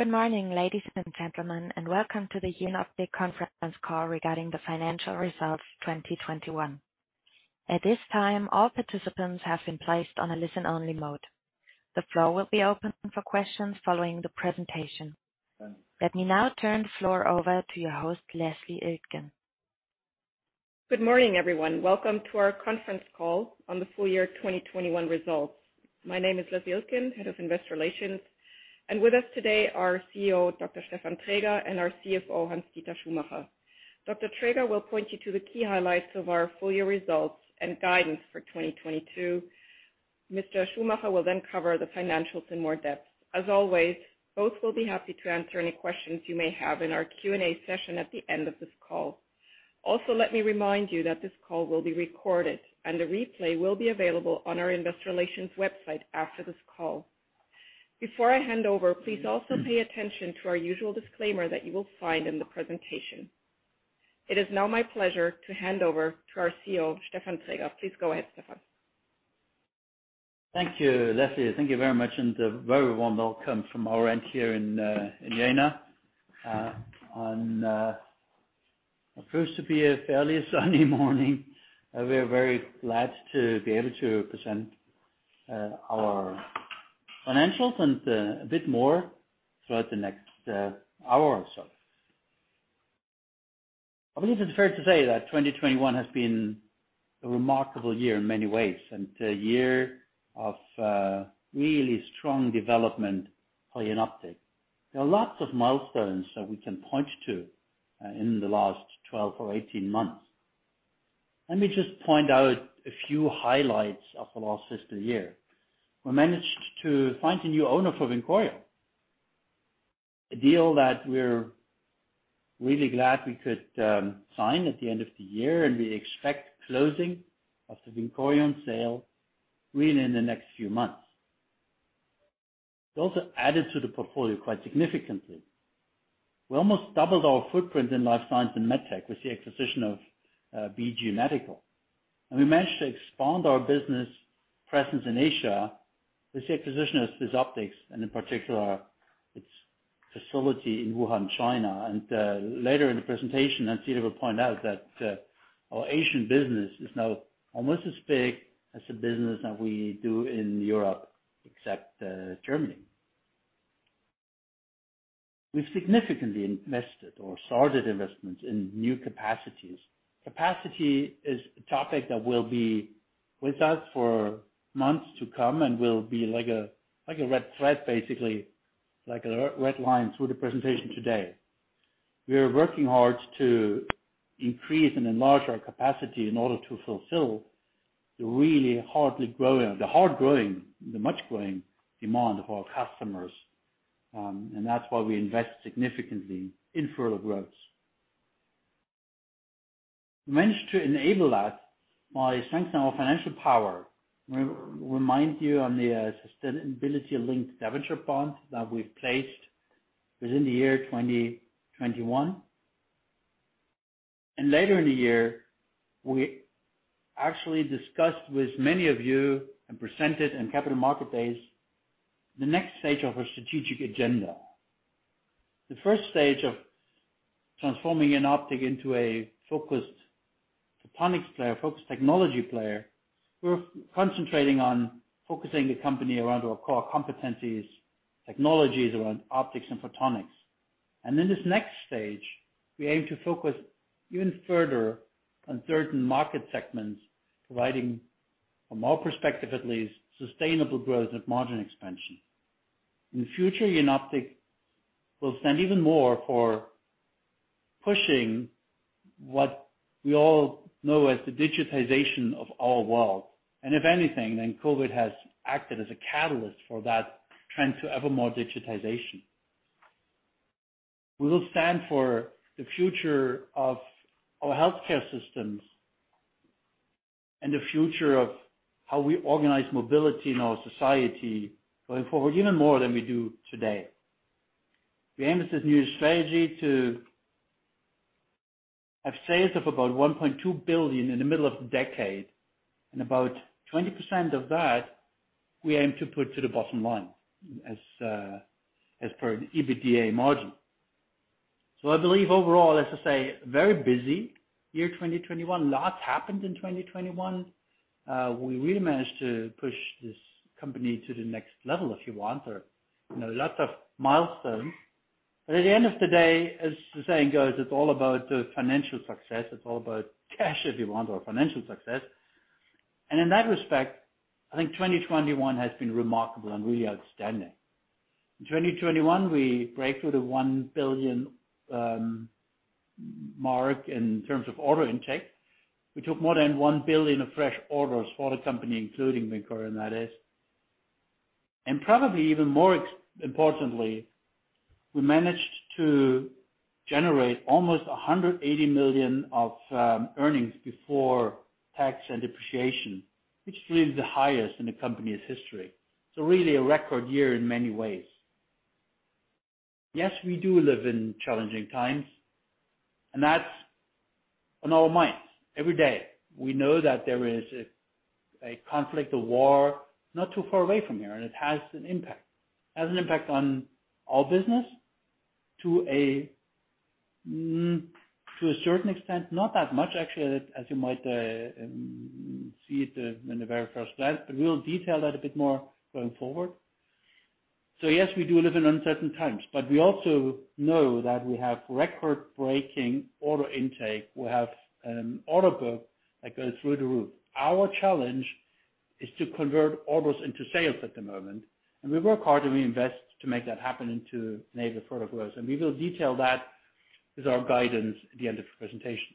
Good morning, ladies and gentlemen, and welcome to the Jenoptik conference call regarding the financial results 2021. At this time, all participants have been placed on a listen-only mode. The floor will be open for questions following the presentation. Let me now turn the floor over to your host, Leslie Iltgen. Good morning, everyone. Welcome to our conference call on the full year 2021 results. My name is Leslie Iltgen, Head of Investor Relations. With us today are CEO, Dr. Stefan Traeger, and our CFO, Hans-Dieter Schumacher. Dr. Traeger will point you to the key highlights of our full year results and guidance for 2022. Mr. Schumacher will then cover the financials in more depth. As always, both will be happy to answer any questions you may have in our Q&A session at the end of this call. Also, let me remind you that this call will be recorded and a replay will be available on our investor relations website after this call. Before I hand over, please also pay attention to our usual disclaimer that you will find in the presentation. It is now my pleasure to hand over to our CEO, Stefan Traeger. Please go ahead, Stefan. Thank you, Leslie. Thank you very much, and a very warm welcome from our end here in Jena on what proves to be a fairly sunny morning. We are very glad to be able to present our financials and a bit more throughout the next hour or so. I believe it's fair to say that 2021 has been a remarkable year in many ways, and a year of really strong development for Jenoptik. There are lots of milestones that we can point to in the last 12 or 18 months. Let me just point out a few highlights of the last fiscal year. We managed to find a new owner for VINCORION. A deal that we're really glad we could sign at the end of the year, and we expect closing of the VINCORION sale really in the next few months. We also added to the portfolio quite significantly. We almost doubled our footprint in life science and med tech with the acquisition of BG Medical. We managed to expand our business presence in Asia with the acquisition of TRIOPTICS, and in particular its facility in Wuhan, China. Later in the presentation, Hans-Dieter will point out that our Asian business is now almost as big as the business that we do in Europe, except Germany. We significantly invested or started investments in new capacities. Capacity is a topic that will be with us for months to come and will be like a red thread basically, like a red line through the presentation today. We are working hard to increase and enlarge our capacity in order to fulfill the rapidly growing demand of our customers. That's why we invest significantly in further growth. We managed to enable that by strengthening our financial power. Remind you of the sustainability linked debenture bond that we've placed within the year 2021. Later in the year, we actually discussed with many of you and presented in capital market days the next stage of our strategic agenda. The first stage of transforming Jenoptik into a focused photonics player, focused technology player. We're concentrating on focusing the company around our core competencies, technologies around optics and photonics. In this next stage, we aim to focus even further on certain market segments, providing from our perspective at least, sustainable growth and margin expansion. In the future, Jenoptik will stand even more for pushing what we all know as the digitization of our world. If anything, then COVID has acted as a catalyst for that trend to ever more digitization. We will stand for the future of our healthcare systems and the future of how we organize mobility in our society going forward, even more than we do today. We aim as this new strategy to have sales of about 1.2 billion in the middle of the decade, and about 20% of that we aim to put to the bottom line as per an EBITDA margin. I believe overall, as I say, very busy year 2021. Lots happened in 2021. We really managed to push this company to the next level, if you want or, you know, lots of milestones. At the end of the day, as the saying goes, it's all about the financial success. It's all about cash, if you want, or financial success. In that respect, I think 2021 has been remarkable and really outstanding. In 2021, we break through the 1 billion mark in terms of order intake. We took more than 1 billion of fresh orders for the company, including VINCORION, that is. And probably even more importantly, we managed to generate almost 180 million of earnings before tax and depreciation, which really is the highest in the company's history. Really a record year in many ways. Yes, we do live in challenging times, and that's on our minds every day. We know that there is a conflict, a war not too far away from here, and it has an impact. It has an impact on our business to a certain extent, not that much actually as you might see it in the very first slide, but we'll detail that a bit more going forward. Yes, we do live in uncertain times, but we also know that we have record-breaking order intake. We have order book that goes through the roof. Our challenge is to convert orders into sales at the moment, and we work hard and we invest to make that happen and to enable further growth. We will detail that with our guidance at the end of the presentation.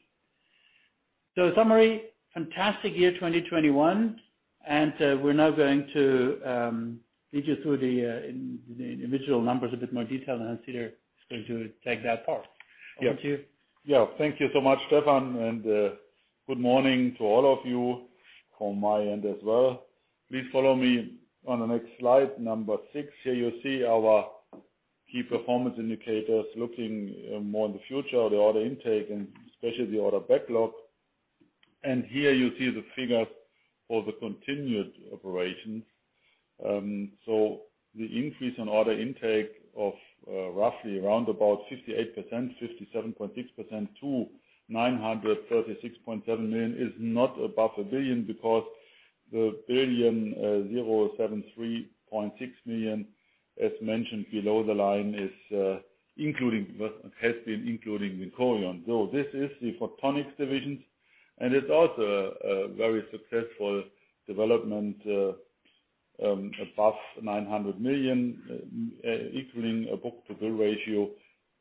In summary, fantastic year 2021, and we're now going to lead you through the individual numbers in a bit more detail, and Hans-Dieter is going to take that part. Over to you. Yeah. Thank you so much, Stefan, and good morning to all of you from my end as well. Please follow me on the next slide, number six. Here you see our key performance indicators looking more in the future, the order intake, and especially the order backlog. Here you see the figures for the continued operations. The increase on order intake of roughly around about 68%, 57.6% to 936.7 million is not above a billion because the billion, 1,073.6 million, as mentioned below the line, has been including VINCORION. This is the Photonics division, and it is also a very successful development above 900 million, equaling a book-to-bill ratio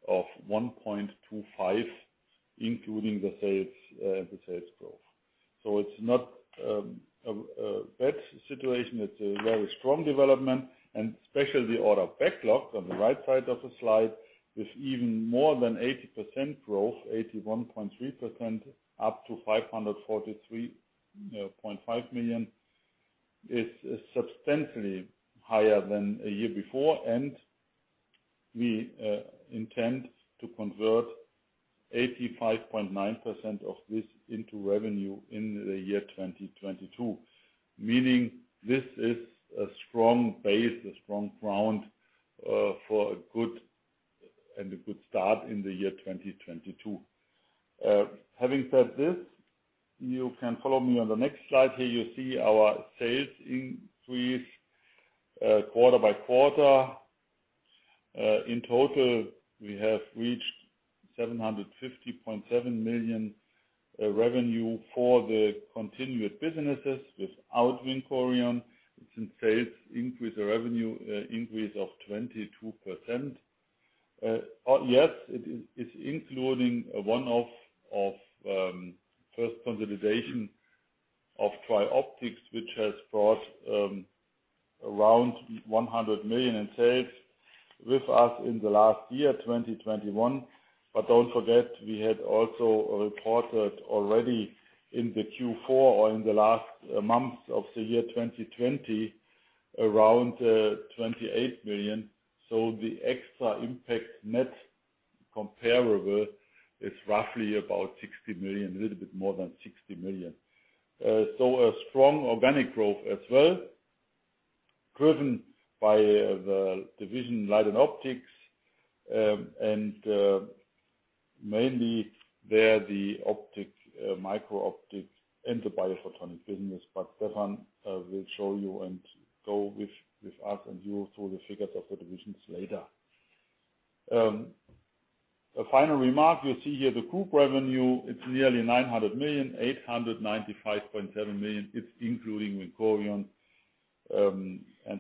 of 1.25, including the sales growth. It's not a bad situation. It's a very strong development, and especially order backlog on the right side of the slide with even more than 80% growth, 81.3% up to 543.5 million, is substantially higher than a year before. We intend to convert 85.9% of this into revenue in the year 2022, meaning this is a strong base, a strong ground for a good start in the year 2022. Having said this, you can follow me on the next slide. Here you see our sales increase quarter by quarter. In total, we have reached 750.7 million revenue for the continued businesses without VINCORION. It's a sales increase or revenue increase of 22%. Yes, it is. It's including a one-off of first consolidation of TRIOPTICS, which has brought around 100 million in sales with us in the last year, 2021. Don't forget, we had also reported already in the Q4 or in the last months of the year 2020, around 28 million. The extra impact net comparable is roughly about 60 million, a little bit more than 60 million. A strong organic growth as well, driven by the division Light & Optics, and mainly there the optics, micro optics and the biophotonic business. Stefan will show you and go with us and you through the figures of the divisions later. A final remark, you see here the group revenue. It's nearly 900 million, 895.7 million. It's including VINCORION.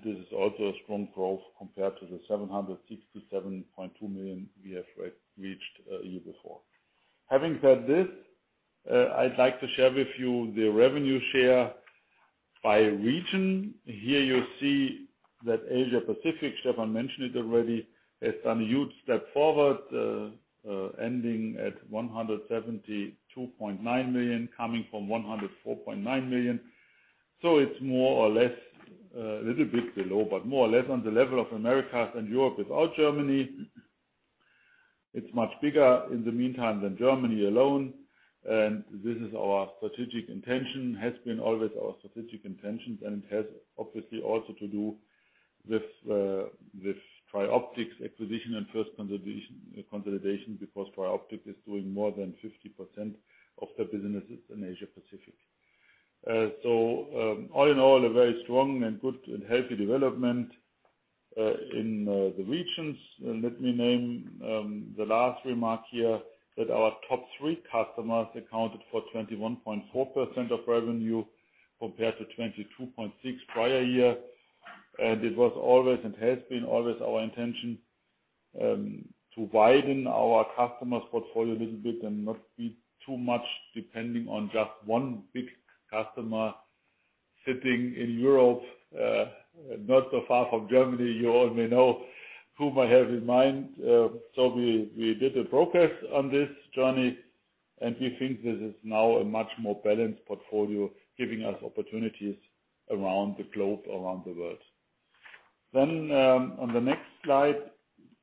This is also a strong growth compared to 767.2 million we have reached a year before. Having said this, I'd like to share with you the revenue share by region. Here you see that Asia-Pacific, Stefan mentioned it already, has done a huge step forward, ending at 172.9 million, coming from 104.9 million. So it's more or less a little bit below, but more or less on the level of Americas and Europe without Germany. It's much bigger in the meantime than Germany alone. This is our strategic intention, has been always our strategic intention, and it has obviously also to do with TRIOPTICS acquisition and first consolidation, because TRIOPTICS is doing more than 50% of the businesses in Asia-Pacific. So, all in all, a very strong, good and healthy development in the regions. Let me name the last remark here that our top three customers accounted for 21.4% of revenue compared to 22.6% prior year. It was always and has been always our intention to widen our customers portfolio a little bit and not be too much depending on just one big customer sitting in Europe, not so far from Germany. You all may know who I have in mind. So we did a progress on this journey, and we think this is now a much more balanced portfolio giving us opportunities around the globe, around the world. On the next slide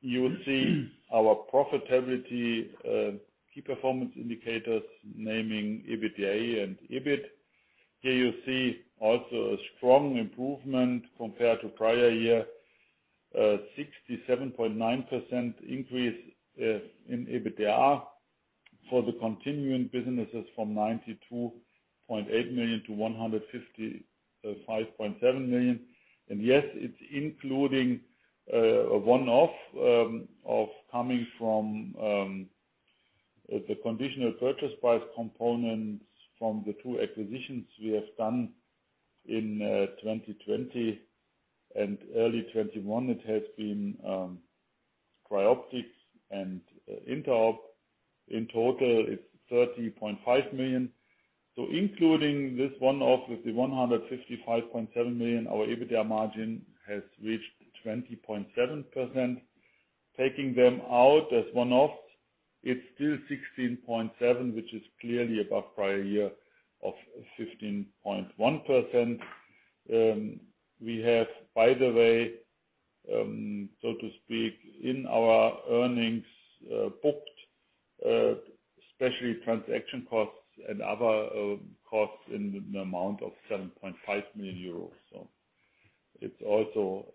you will see our profitability key performance indicators, naming EBITDA and EBIT. Here you see also a strong improvement compared to prior year, 67.9% increase in EBITDA for the continuing businesses from 92.8 million to 155.7 million. Yes, it's including one-off coming from the conditional purchase price components from the two acquisitions we have done in 2020 and early 2021. It has been TRIOPTICS and Interob. In total, it's 30.5 million. Including this one-off with the 155.7 million, our EBITDA margin has reached 20.7%. Taking them out as one-offs, it's still 16.7%, which is clearly above prior year of 15.1%. We have, by the way, so to speak, in our earnings, booked especially transaction costs and other costs in the amount of 7.5 million euros. It's also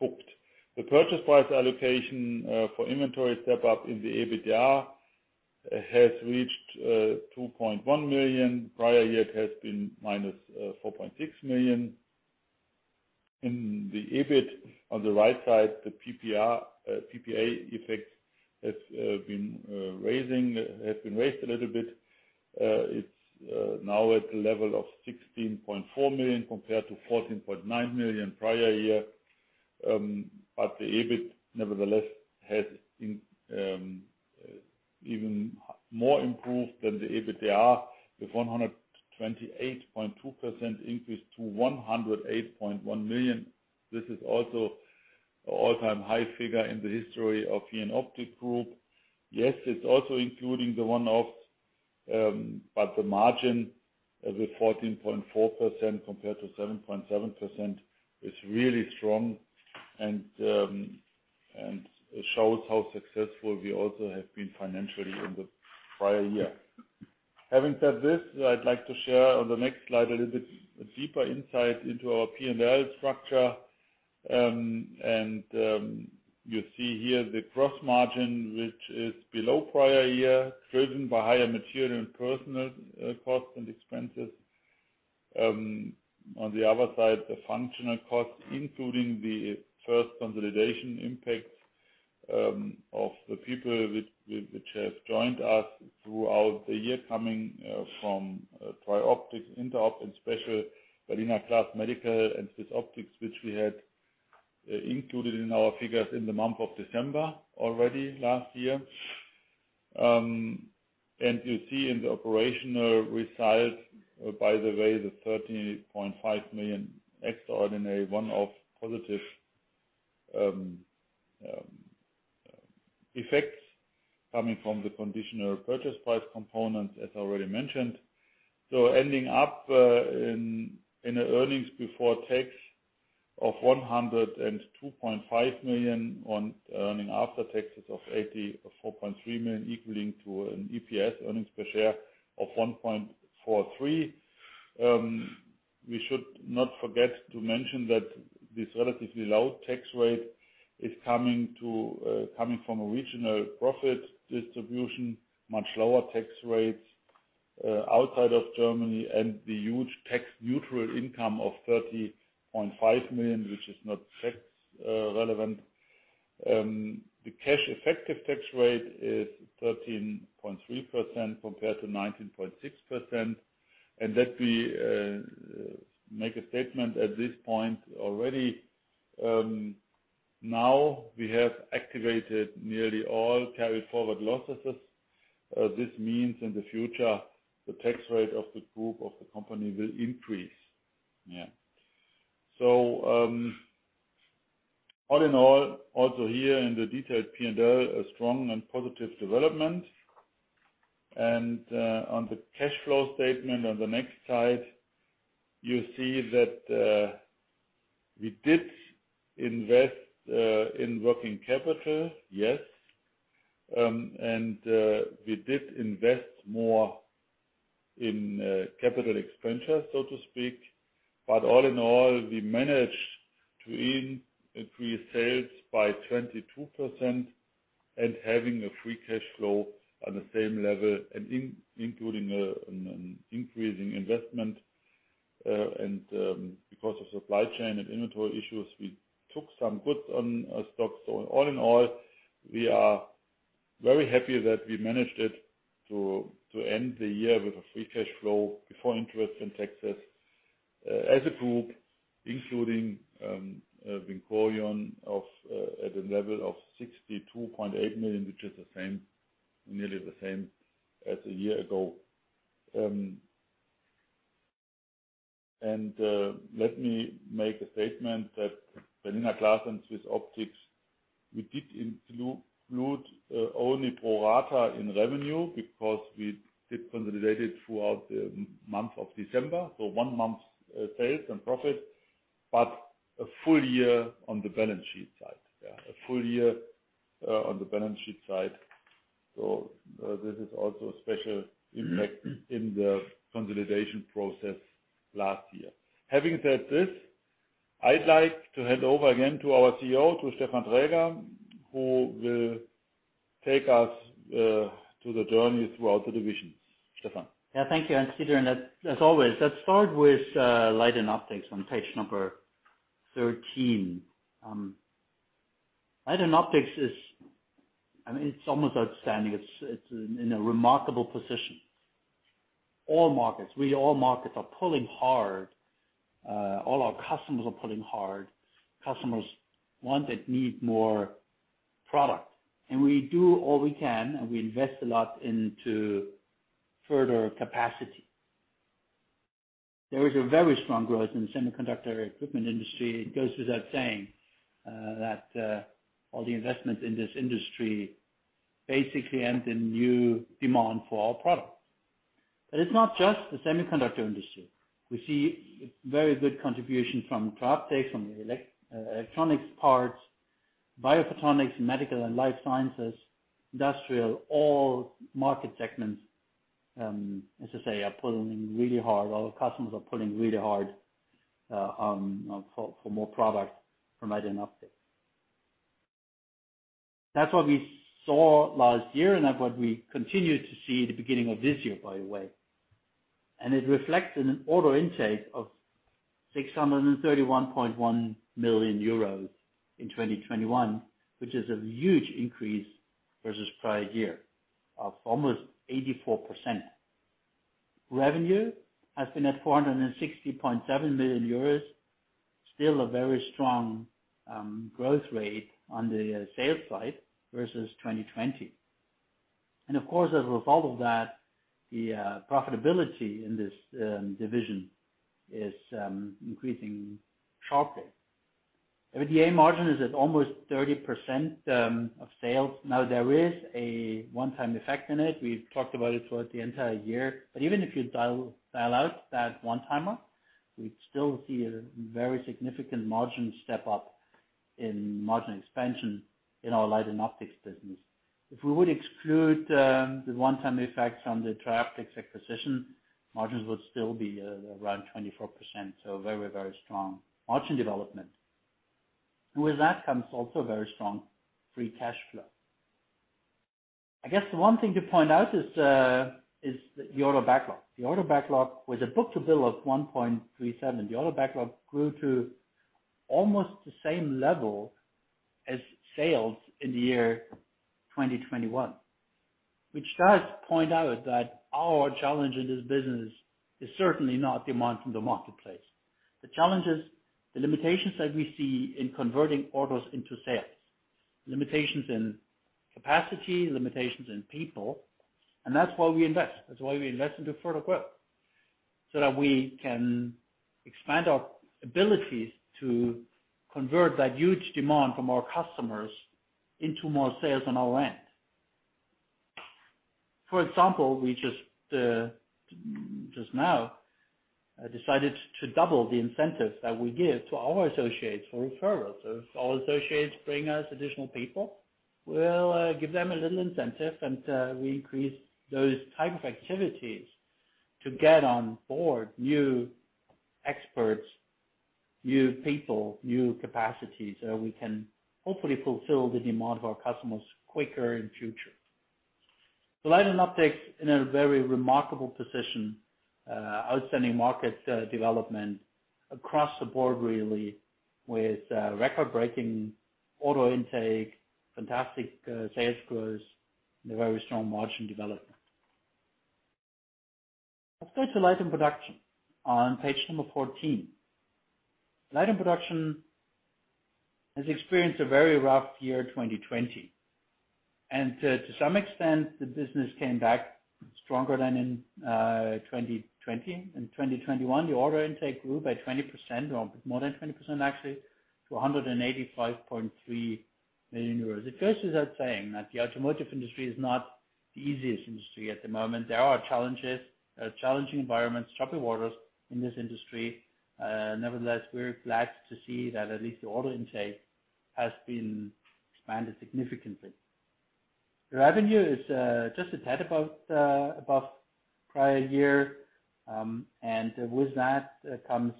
booked. The purchase price allocation for inventory step up in the EBITDA has reached 2.1 million. Prior year it has been -4.6 million. In the EBIT on the right side, the PPA effect has been raised a little bit. It's now at the level of 16.4 million compared to 14.9 million prior year. The EBIT nevertheless has even more improved than the EBITDA with 128.2% increase to 108.1 million. This is also all-time high figure in the history of Jenoptik Group. Yes, it's also including the one-offs, but the margin with 14.4% compared to 7.7% is really strong and shows how successful we also have been financially in the prior year. Having said this, I'd like to share on the next slide a little bit deeper insight into our P&L structure. You see here the gross margin, which is below prior year, driven by higher material and personnel costs and expenses. On the other side, the functional costs, including the first consolidation impact, of the people which have joined us throughout the year, coming from TRIOPTICS, Interob and especially Berliner Glas Medical and SwissOptic, which we had included in our figures in the month of December already last year. You see in the operational results, by the way, the 13.5 million extraordinary one-off positive effects coming from the conditional purchase price component, as already mentioned. Ending up in earnings before tax of 102.5 million and earnings after taxes of 84.3 million, equaling to an EPS, earnings per share, of 1.43. We should not forget to mention that this relatively low tax rate is coming from a regional profit distribution, much lower tax rates outside of Germany, and the huge tax-neutral income of 30.5 million, which is not tax relevant. The cash effective tax rate is 13.3% compared to 19.6%. Let me make a statement at this point already. Now we have activated nearly all carry forward losses. This means in the future the tax rate of the group of the company will increase. All in all, also here in the detailed P&L, a strong and positive development. On the cash flow statement on the next slide, you see that we did invest in working capital, yes. We did invest more in capital expenditure, so to speak. All in all, we managed to increase sales by 22% and having a free cash flow at the same level and including an increasing investment. Because of supply chain and inventory issues, we took some good stocks. All in all, we are very happy that we managed to end the year with a free cash flow before interest and taxes as a group, including VINCORION at a level of 62.8 million, which is nearly the same as a year ago. Let me make a statement that Berliner Glas and SwissOptic. We did include only pro rata in revenue because we did consolidate it throughout the month of December. One month sales and profit, but a full year on the balance sheet side. A full year on the balance sheet side. This is also a special impact in the consolidation process last year. Having said this, I'd like to hand over again to our CEO, to Stefan Traeger, who will take us through the journey throughout the divisions. Stefan? Yeah. Thank you, Hans-Dieter. As always, let's start with Light & Optics on page 13. Light & Optics is, I mean, it's almost outstanding. It's in a remarkable position. All markets, really all markets are pulling hard. All our customers are pulling hard. Customers want and need more product. We do all we can, and we invest a lot into further capacity. There is a very strong growth in the semiconductor equipment industry. It goes without saying that all the investment in this industry basically ends in new demand for our products. It's not just the semiconductor industry. We see very good contribution from TRIOPTICS, from the electronics parts, biophotonics, medical and life sciences, industrial, all market segments, as I say, are pulling really hard. All our customers are pulling really hard for more product from Light & Optics. That's what we saw last year, and that's what we continue to see the beginning of this year, by the way. It reflects in an order intake of 631.1 million euros in 2021, which is a huge increase versus prior year of almost 84%. Revenue has been at 460.7 million euros. Still a very strong growth rate on the sales side versus 2020. Of course, as a result of that, the profitability in this division is increasing sharply. EBITDA margin is at almost 30% of sales. Now, there is a one-time effect in it. We've talked about it throughout the entire year. Even if you dial out that one-timer, we still see a very significant margin step up in margin expansion in our Light & Optics business. If we would exclude the one-time effects from the TRIOPTICS acquisition, margins would still be around 24%. Very, very strong margin development. With that comes also very strong free cash flow. I guess the one thing to point out is the order backlog with a book-to-bill of 1.37. The order backlog grew to almost the same level as sales in the year 2021, which does point out that our challenge in this business is certainly not demand from the marketplace. The challenge is the limitations that we see in converting orders into sales. Limitations in capacity, limitations in people, and that's why we invest. That's why we invest into further growth, so that we can expand our abilities to convert that huge demand from our customers into more sales on our end. For example, we just now decided to double the incentives that we give to our associates for referrals. If our associates bring us additional people, we'll give them a little incentive, and we increase those type of activities to get on board new experts, new people, new capacities, so we can hopefully fulfill the demand of our customers quicker in future. Light & Optics in a very remarkable position, outstanding market development across the board really with record-breaking order intake, fantastic sales growth, and a very strong margin development. Let's go to Light & Production on page number 14. Light & Production has experienced a very rough year, 2020. To some extent, the business came back stronger than in 2020. In 2021, the order intake grew by 20% or more than 20% actually to 185.3 million euros. It goes without saying that the automotive industry is not the easiest industry at the moment. There are challenges, challenging environments, choppy waters in this industry. Nevertheless, we're glad to see that at least the order intake has been expanded significantly. The revenue is just a tad above prior year. And with that comes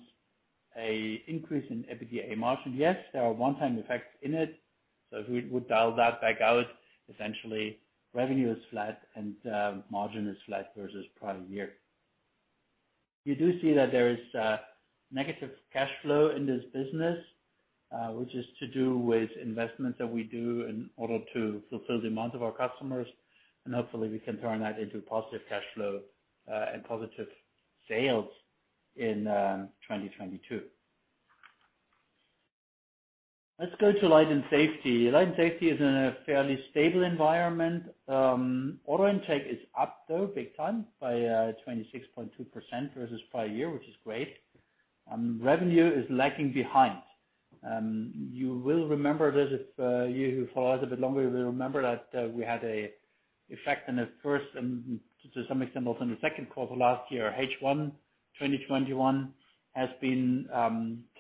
an increase in EBITDA margin. Yes, there are one-time effects in it. If we would dial that back out, essentially revenue is flat and margin is flat versus prior year. You do see that there is negative cash flow in this business, which is to do with investments that we do in order to fulfill the amount of our customers, and hopefully we can turn that into positive cash flow and positive sales in 2022. Let's go to Light & Safety. Light & Safety is in a fairly stable environment. Order intake is up, though, big time, by 26.2% versus prior year, which is great. Revenue is lagging behind. You will remember this if you who follow us a bit longer, you will remember that we had an effect in the first and to some extent also in the second quarter last year. H1 2021 has been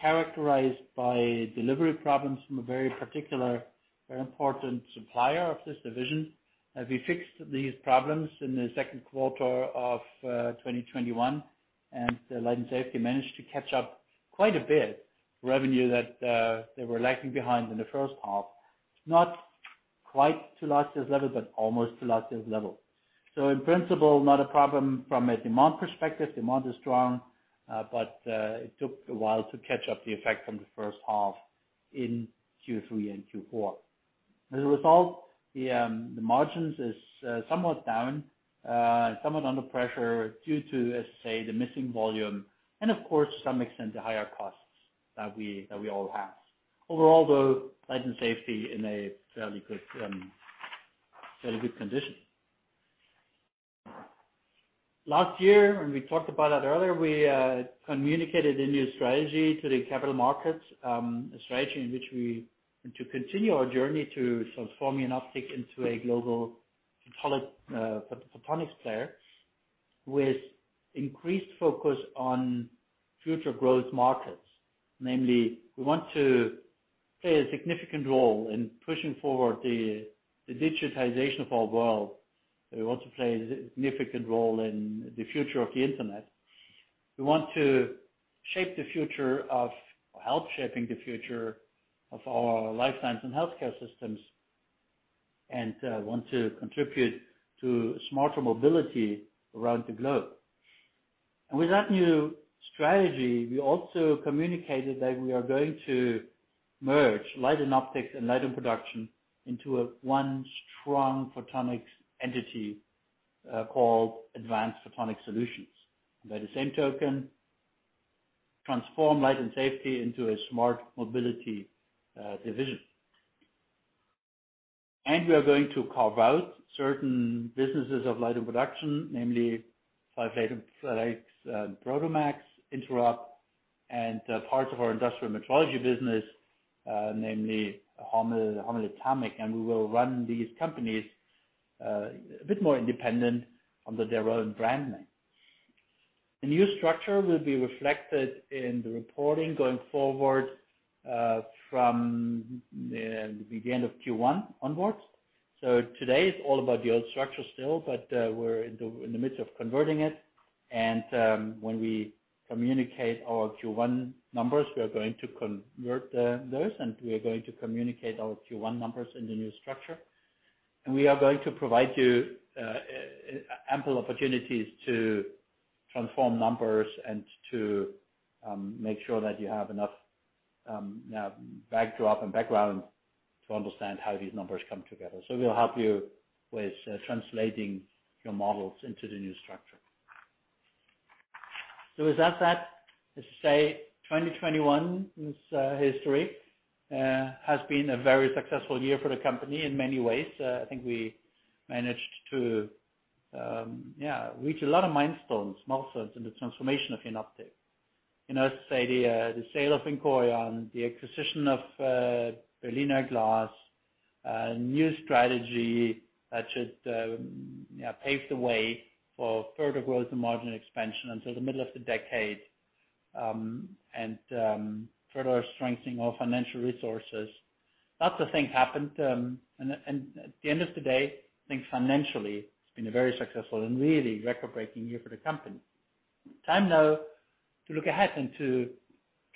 characterized by delivery problems from a very particular, very important supplier of this division. As we fixed these problems in the second quarter of 2021, Light & Safety managed to catch up quite a bit revenue that they were lagging behind in the first half, not quite to last year's level, but almost to last year's level. In principle, not a problem from a demand perspective. Demand is strong, but it took a while to catch up the effect from the first half in Q3 and Q4. As a result, the margins is somewhat down and somewhat under pressure due to, let's say, the missing volume and of course, to some extent, the higher costs that we all have. Overall, though, Light & Safety in a fairly good condition. Last year, we talked about that earlier, we communicated a new strategy to the capital markets, a strategy in which we want to continue our journey to transforming Jenoptik into a global photonics player with increased focus on future growth markets. Namely, we want to play a significant role in pushing forward the digitization of our world. We want to play a significant role in the future of the Internet. We want to shape the future of our lifetimes and healthcare systems, and want to contribute to smarter mobility around the globe. With that new strategy, we also communicated that we are going to merge Light & Optics and Light & Production into one strong photonics entity called Advanced Photonics Solutions. By the same token, transform Light & Safety into a Smart Mobility division. We are going to carve out certain businesses of Light & Production, namely Silphate, [Silix], and Prodomax, Interob, and parts of our industrial metrology business, namely Hommel Etamic. We will run these companies a bit more independent under their own brand name. The new structure will be reflected in the reporting going forward from the end of Q1 onwards. Today is all about the old structure still, but we're in the midst of converting it and when we communicate our Q1 numbers, we are going to convert those, and we are going to communicate our Q1 numbers in the new structure. We are going to provide you ample opportunities to transform numbers and to make sure that you have enough backdrop and background to understand how these numbers come together. We'll help you with translating your models into the new structure. With that said, let's just say, 2021's history has been a very successful year for the company in many ways. I think we managed to reach a lot of milestones also in the transformation of Jenoptik. You know, as I say, the sale of VINCORION, the acquisition of Berliner Glas, a new strategy that should pave the way for further growth and margin expansion until the middle of the decade, and further strengthening our financial resources. Lots of things happened, and at the end of the day, I think financially it's been a very successful and really record-breaking year for the company. Time now to look ahead and to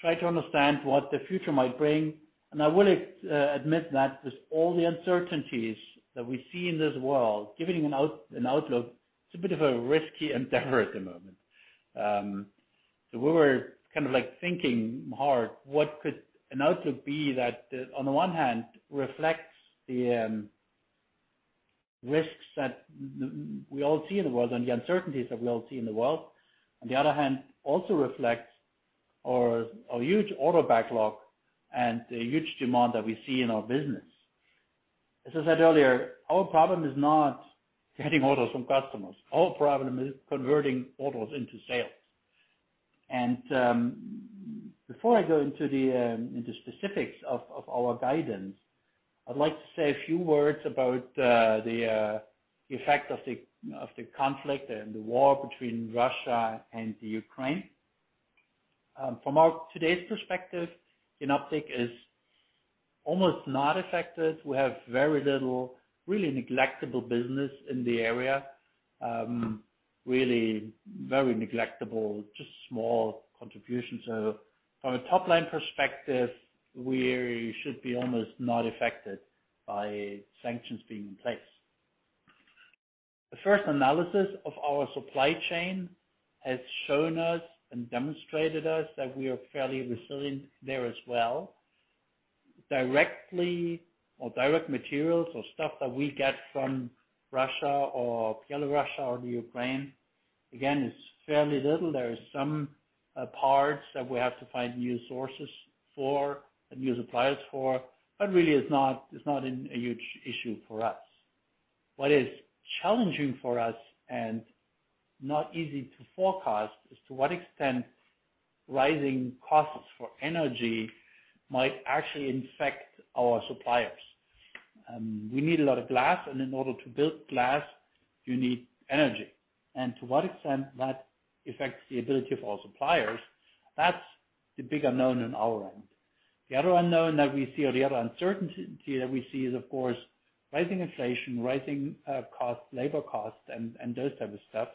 try to understand what the future might bring. I will admit that with all the uncertainties that we see in this world, giving an outlook is a bit of a risky endeavor at the moment. We were kind of like thinking hard what could an outlook be that on the one hand, reflects the risks that we all see in the world and the uncertainties that we all see in the world. On the other hand, also reflects our huge order backlog and the huge demand that we see in our business. As I said earlier, our problem is not getting orders from customers. Our problem is converting orders into sales. Before I go into the specifics of our guidance, I'd like to say a few words about the effect of the conflict and the war between Russia and the Ukraine. From our today's perspective, Jenoptik is almost not affected. We have very little, really negligible business in the area. Really negligible, just small contributions. From a top-line perspective, we should be almost not affected by sanctions being in place. The first analysis of our supply chain has shown us and demonstrated us that we are fairly resilient there as well. Direct materials or stuff that we get from Russia or Belarus or Ukraine, again, is fairly little. There is some parts that we have to find new sources for and new suppliers for, but really it's not a huge issue for us. What is challenging for us and not easy to forecast is to what extent rising costs for energy might actually affect our suppliers. We need a lot of glass, and in order to build glass, you need energy. To what extent that affects the ability of our suppliers, that's the big unknown on our end. The other unknown that we see, or the other uncertainty that we see is, of course, rising inflation, rising costs, labor costs and those type of stuff,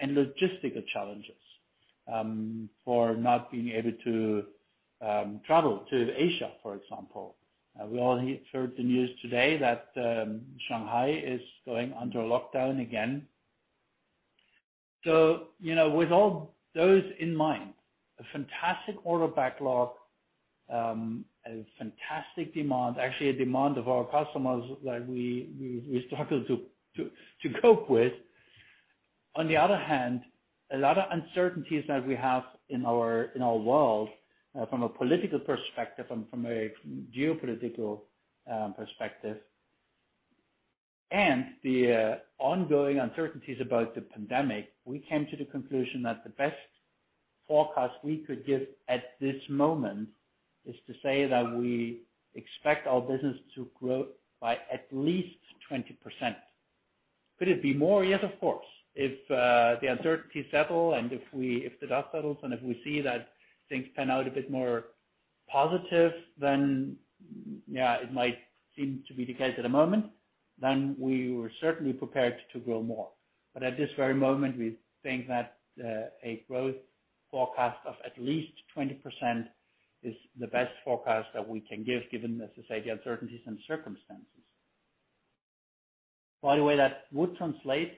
and logistical challenges, for not being able to travel to Asia, for example. We all heard the news today that Shanghai is going under lockdown again. You know, with all those in mind, a fantastic order backlog, a fantastic demand, actually a demand of our customers that we struggle to cope with. On the other hand, a lot of uncertainties that we have in our world, from a political perspective and from a geopolitical perspective and the ongoing uncertainties about the pandemic. We came to the conclusion that the best forecast we could give at this moment is to say that we expect our business to grow by at least 20%. Could it be more? Yes, of course. If the uncertainties settle and if the dust settles and if we see that things pan out a bit more positive, then yeah, it might seem to be the case at the moment, then we were certainly prepared to grow more. But at this very moment, we think that a growth forecast of at least 20% is the best forecast that we can give given the significant uncertainties and circumstances. By the way, that would translate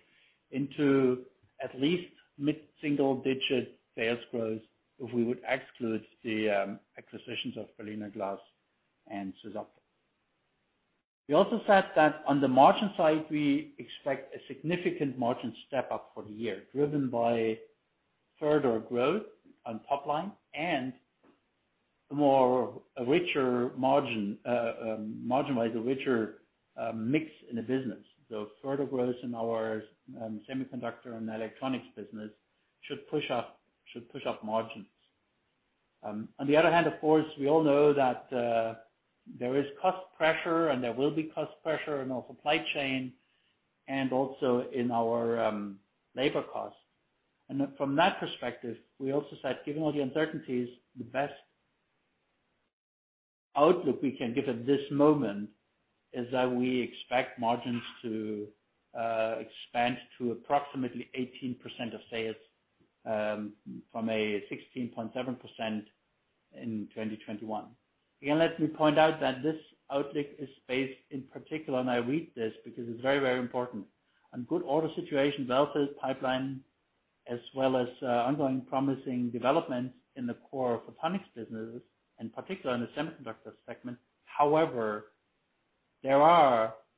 into at least mid-single-digit sales growth if we would exclude the acquisitions of Berliner Glas and SwissOptic. We also said that on the margin side, we expect a significant margin step up for the year, driven by further growth on top line and more of a richer margin-wise mix in the business. Further growth in our semiconductor and electronics business should push up margins. On the other hand, of course, we all know that there is cost pressure and there will be cost pressure in our supply chain and also in our labor costs. From that perspective, we also said, given all the uncertainties, the best outlook we can give at this moment is that we expect margins to expand to approximately 18% of sales, from a 16.7% in 2021. Again, let me point out that this outlook is based in particular, and I read this because it's very, very important. On good order situation, well-filled pipeline, as well as, ongoing promising developments in the core photonics businesses, in particular in the semiconductor segment.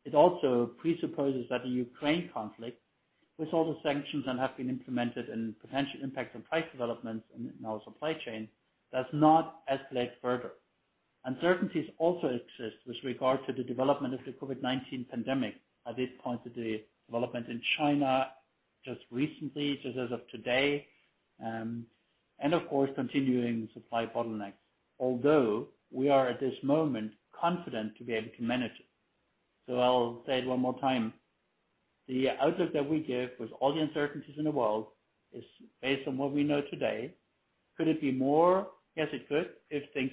It also presupposes that the Ukraine conflict, with all the sanctions that have been implemented and potential impact on price developments in our supply chain, does not escalate further. Uncertainties also exist with regard to the development of the COVID-19 pandemic at this point of the development in China just recently, just as of today, and of course, continuing supply bottlenecks. Although we are at this moment confident to be able to manage it. I'll say it one more time. The outlook that we give with all the uncertainties in the world is based on what we know today. Could it be more? Yes, it could, if things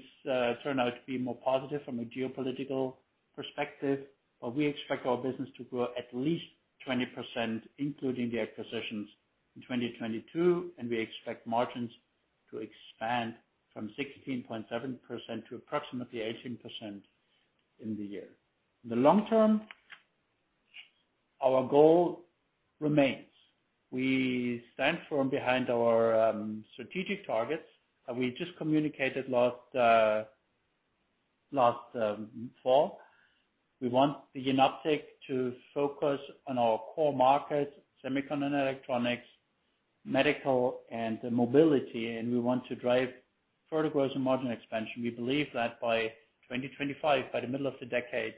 turn out to be more positive from a geopolitical perspective. We expect our business to grow at least 20%, including the acquisitions in 2022, and we expect margins to expand from 16.7% to approximately 18% in the year. In the long term, our goal remains. We stand firm behind our strategic targets that we just communicated last fall. We want Jenoptik to focus on our core markets, semiconductor and electronics, medical, and mobility, and we want to drive further growth and margin expansion. We believe that by 2025, by the middle of the decade,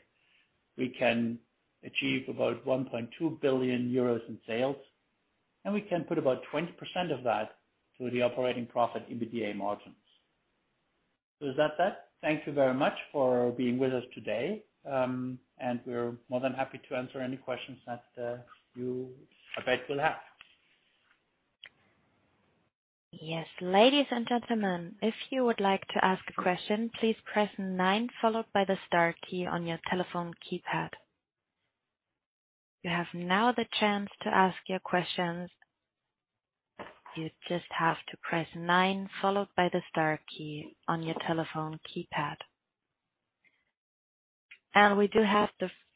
we can achieve about 1.2 billion euros in sales, and we can put about 20% of that to the operating profit EBITDA margins. With that said, thank you very much for being with us today. We're more than happy to answer any questions that you I bet will have. We do have the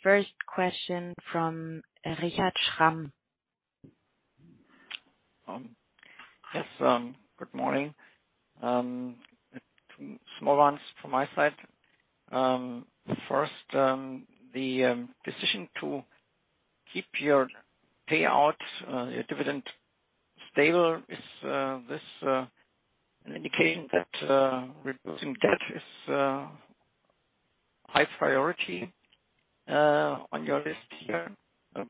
first question from Richard Schramm. Yes, good morning. Two small ones from my side. First, the decision to keep your payout, your dividend stable, is this an indication that reducing debt is high priority on your list here,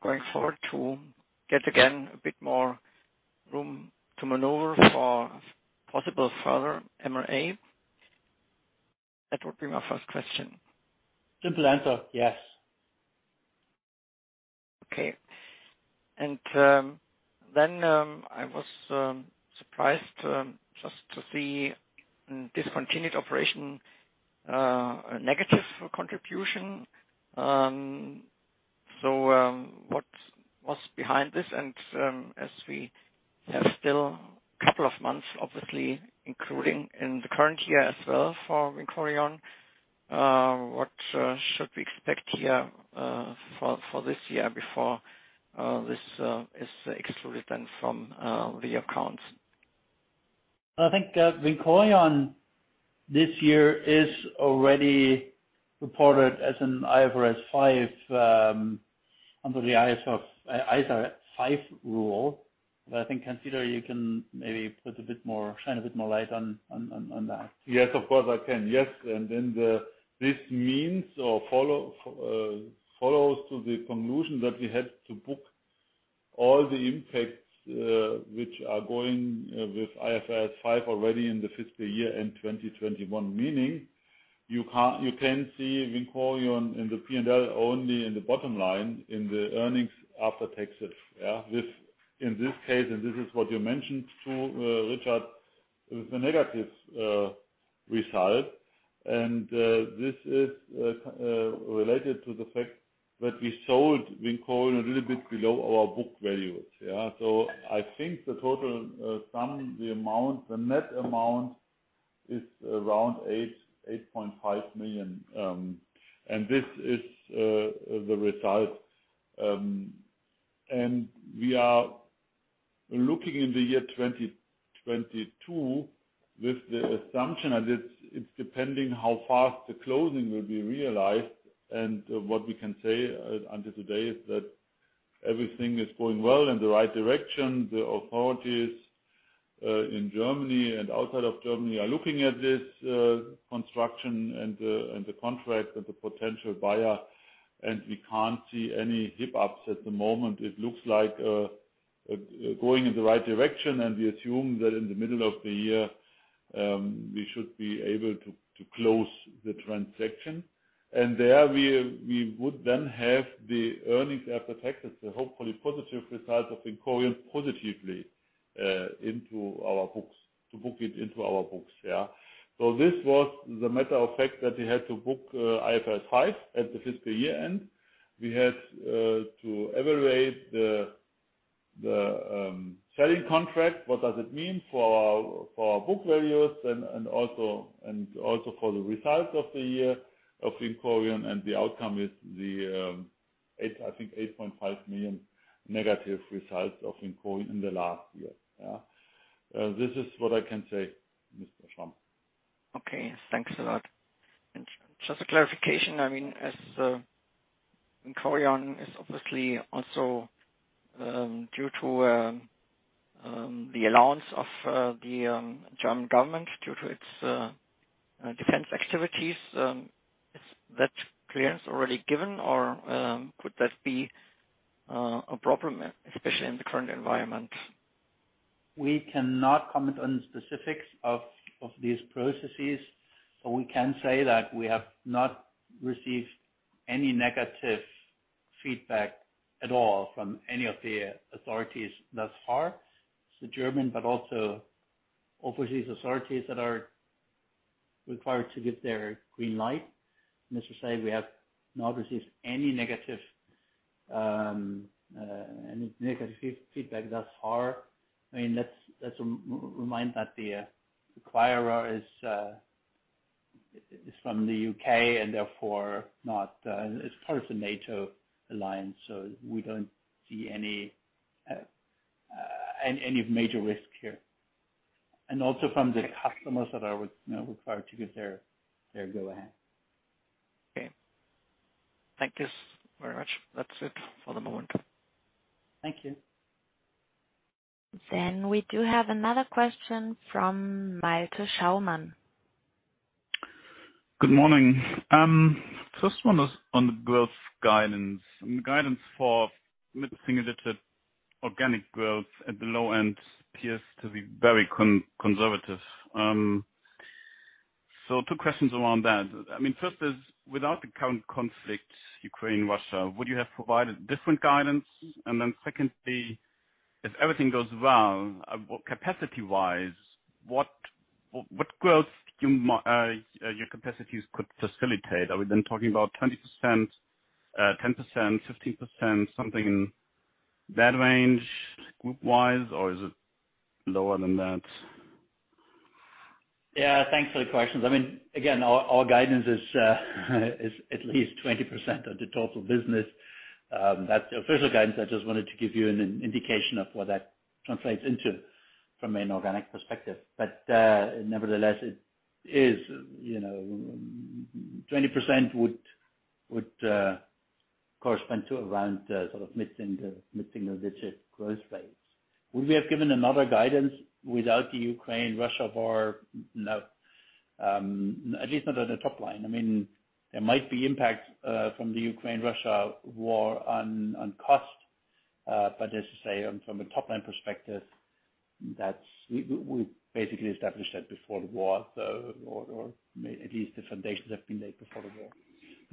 going forward to get again a bit more room to maneuver for possible further M&A? That would be my first question. Simple answer, yes. Okay. Then I was surprised just to see discontinued operation a negative contribution. What's behind this? As we have still couple of months, obviously including in the current year as well for VINCORION, what should we expect here for this year before this is excluded then from the accounts? I think VINCORION this year is already reported as an IFRS 5 under the IFRS 5 rule. I think you can maybe shine a bit more light on that. Yes, of course, I can. Yes. This means follows to the conclusion that we had to book all the impacts, which are going, with IFRS 5 already in the fiscal year-end 2021. Meaning, you can see VINCORION in the P&L only in the bottom line in the earnings after taxes. Yeah. In this case, this is what you mentioned too, Richard, with the negative result. This is related to the fact that we sold VINCORION a little bit below our book values. Yeah. I think the total sum, the amount, the net amount is around 8.5 million. This is the result. We are looking in the year 2022 with the assumption, and it's depending how fast the closing will be realized. What we can say until today is that everything is going well in the right direction. The authorities in Germany and outside of Germany are looking at this construction and the contract with the potential buyer, and we can't see any hiccups at the moment. It looks like going in the right direction, and we assume that in the middle of the year we should be able to close the transaction. There we would then have the earnings after taxes, the hopefully positive results of VINCORION positively into our books. To book it into our books. Yeah. This was the matter of fact that we had to book IFRS 5 at the fiscal year end. We had to evaluate the selling contract. What does it mean for our book values and also for the results of the year of VINCORION. The outcome is the 8.5 million negative results of VINCORION in the last year. Yeah. This is what I can say, Mr. Schramm. Okay. Thanks a lot. Just a clarification, I mean, as VINCORION is obviously also due to the allowance of the German government due to its defense activities, is that clearance already given or could that be a problem, especially in the current environment? We cannot comment on the specifics of these processes. We can say that we have not received any negative feedback at all from any of the authorities thus far. It's the German, but also overseas authorities that are required to give their green light. Needless to say, we have not received any negative feedback thus far. I mean, let's remind that the acquirer is from the U.K., and therefore not. It's part of the NATO alliance, so we don't see any major risk here. Also from the customers that are required to give their go-ahead. Okay. Thank you very much. That's it for the moment. Thank you. We do have another question from Malte Schaumann. Good morning. First one is on the growth guidance. The guidance for mid-single-digit organic growth at the low end appears to be very conservative. Two questions around that. I mean, first is, without the current conflict, Ukraine, Russia, would you have provided different guidance? Secondly, if everything goes well, what capacity-wise, what growth your capacities could facilitate? Are we then talking about 20%, 10%, 15%, something in that range group-wise, or is it lower than that? Yeah. Thanks for the questions. I mean, again, our guidance is at least 20% of the total business. That's the official guidance. I just wanted to give you an indication of what that translates into from an organic perspective. Nevertheless, it is, you know, 20% would correspond to around sort of mid-single digit growth rates. Would we have given another guidance without the Ukraine-Russia war? No. At least not at the top line. I mean, there might be impacts from the Ukraine-Russia war on cost, but as to say on from a top-line perspective, that's. We basically established that before the war, so. At least the foundations have been laid before the war.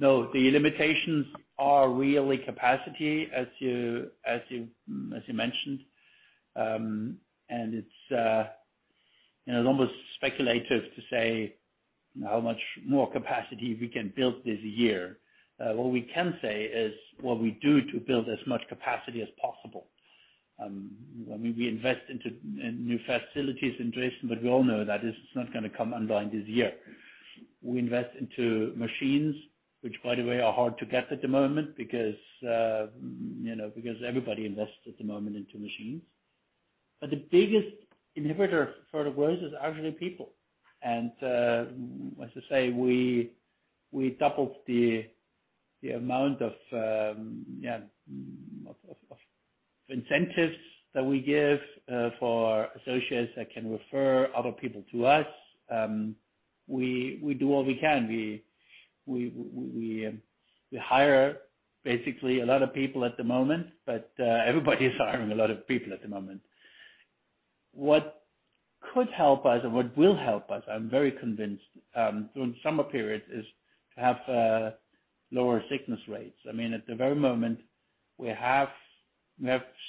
No, the limitations are really capacity, as you mentioned. It's, you know, it's almost speculative to say how much more capacity we can build this year. What we can say is what we do to build as much capacity as possible. When we invest in new facilities in Dresden, but we all know that it's not gonna come online this year. We invest in machines, which, by the way, are hard to get at the moment because, you know, because everybody invests at the moment into machines. The biggest inhibitor for the growth is actually people. As I say, we doubled the amount of incentives that we give for associates that can refer other people to us. We do what we can. We hire basically a lot of people at the moment, but everybody is hiring a lot of people at the moment. What could help us and what will help us, I'm very convinced, during summer periods, is to have lower sickness rates. I mean, at the very moment, we have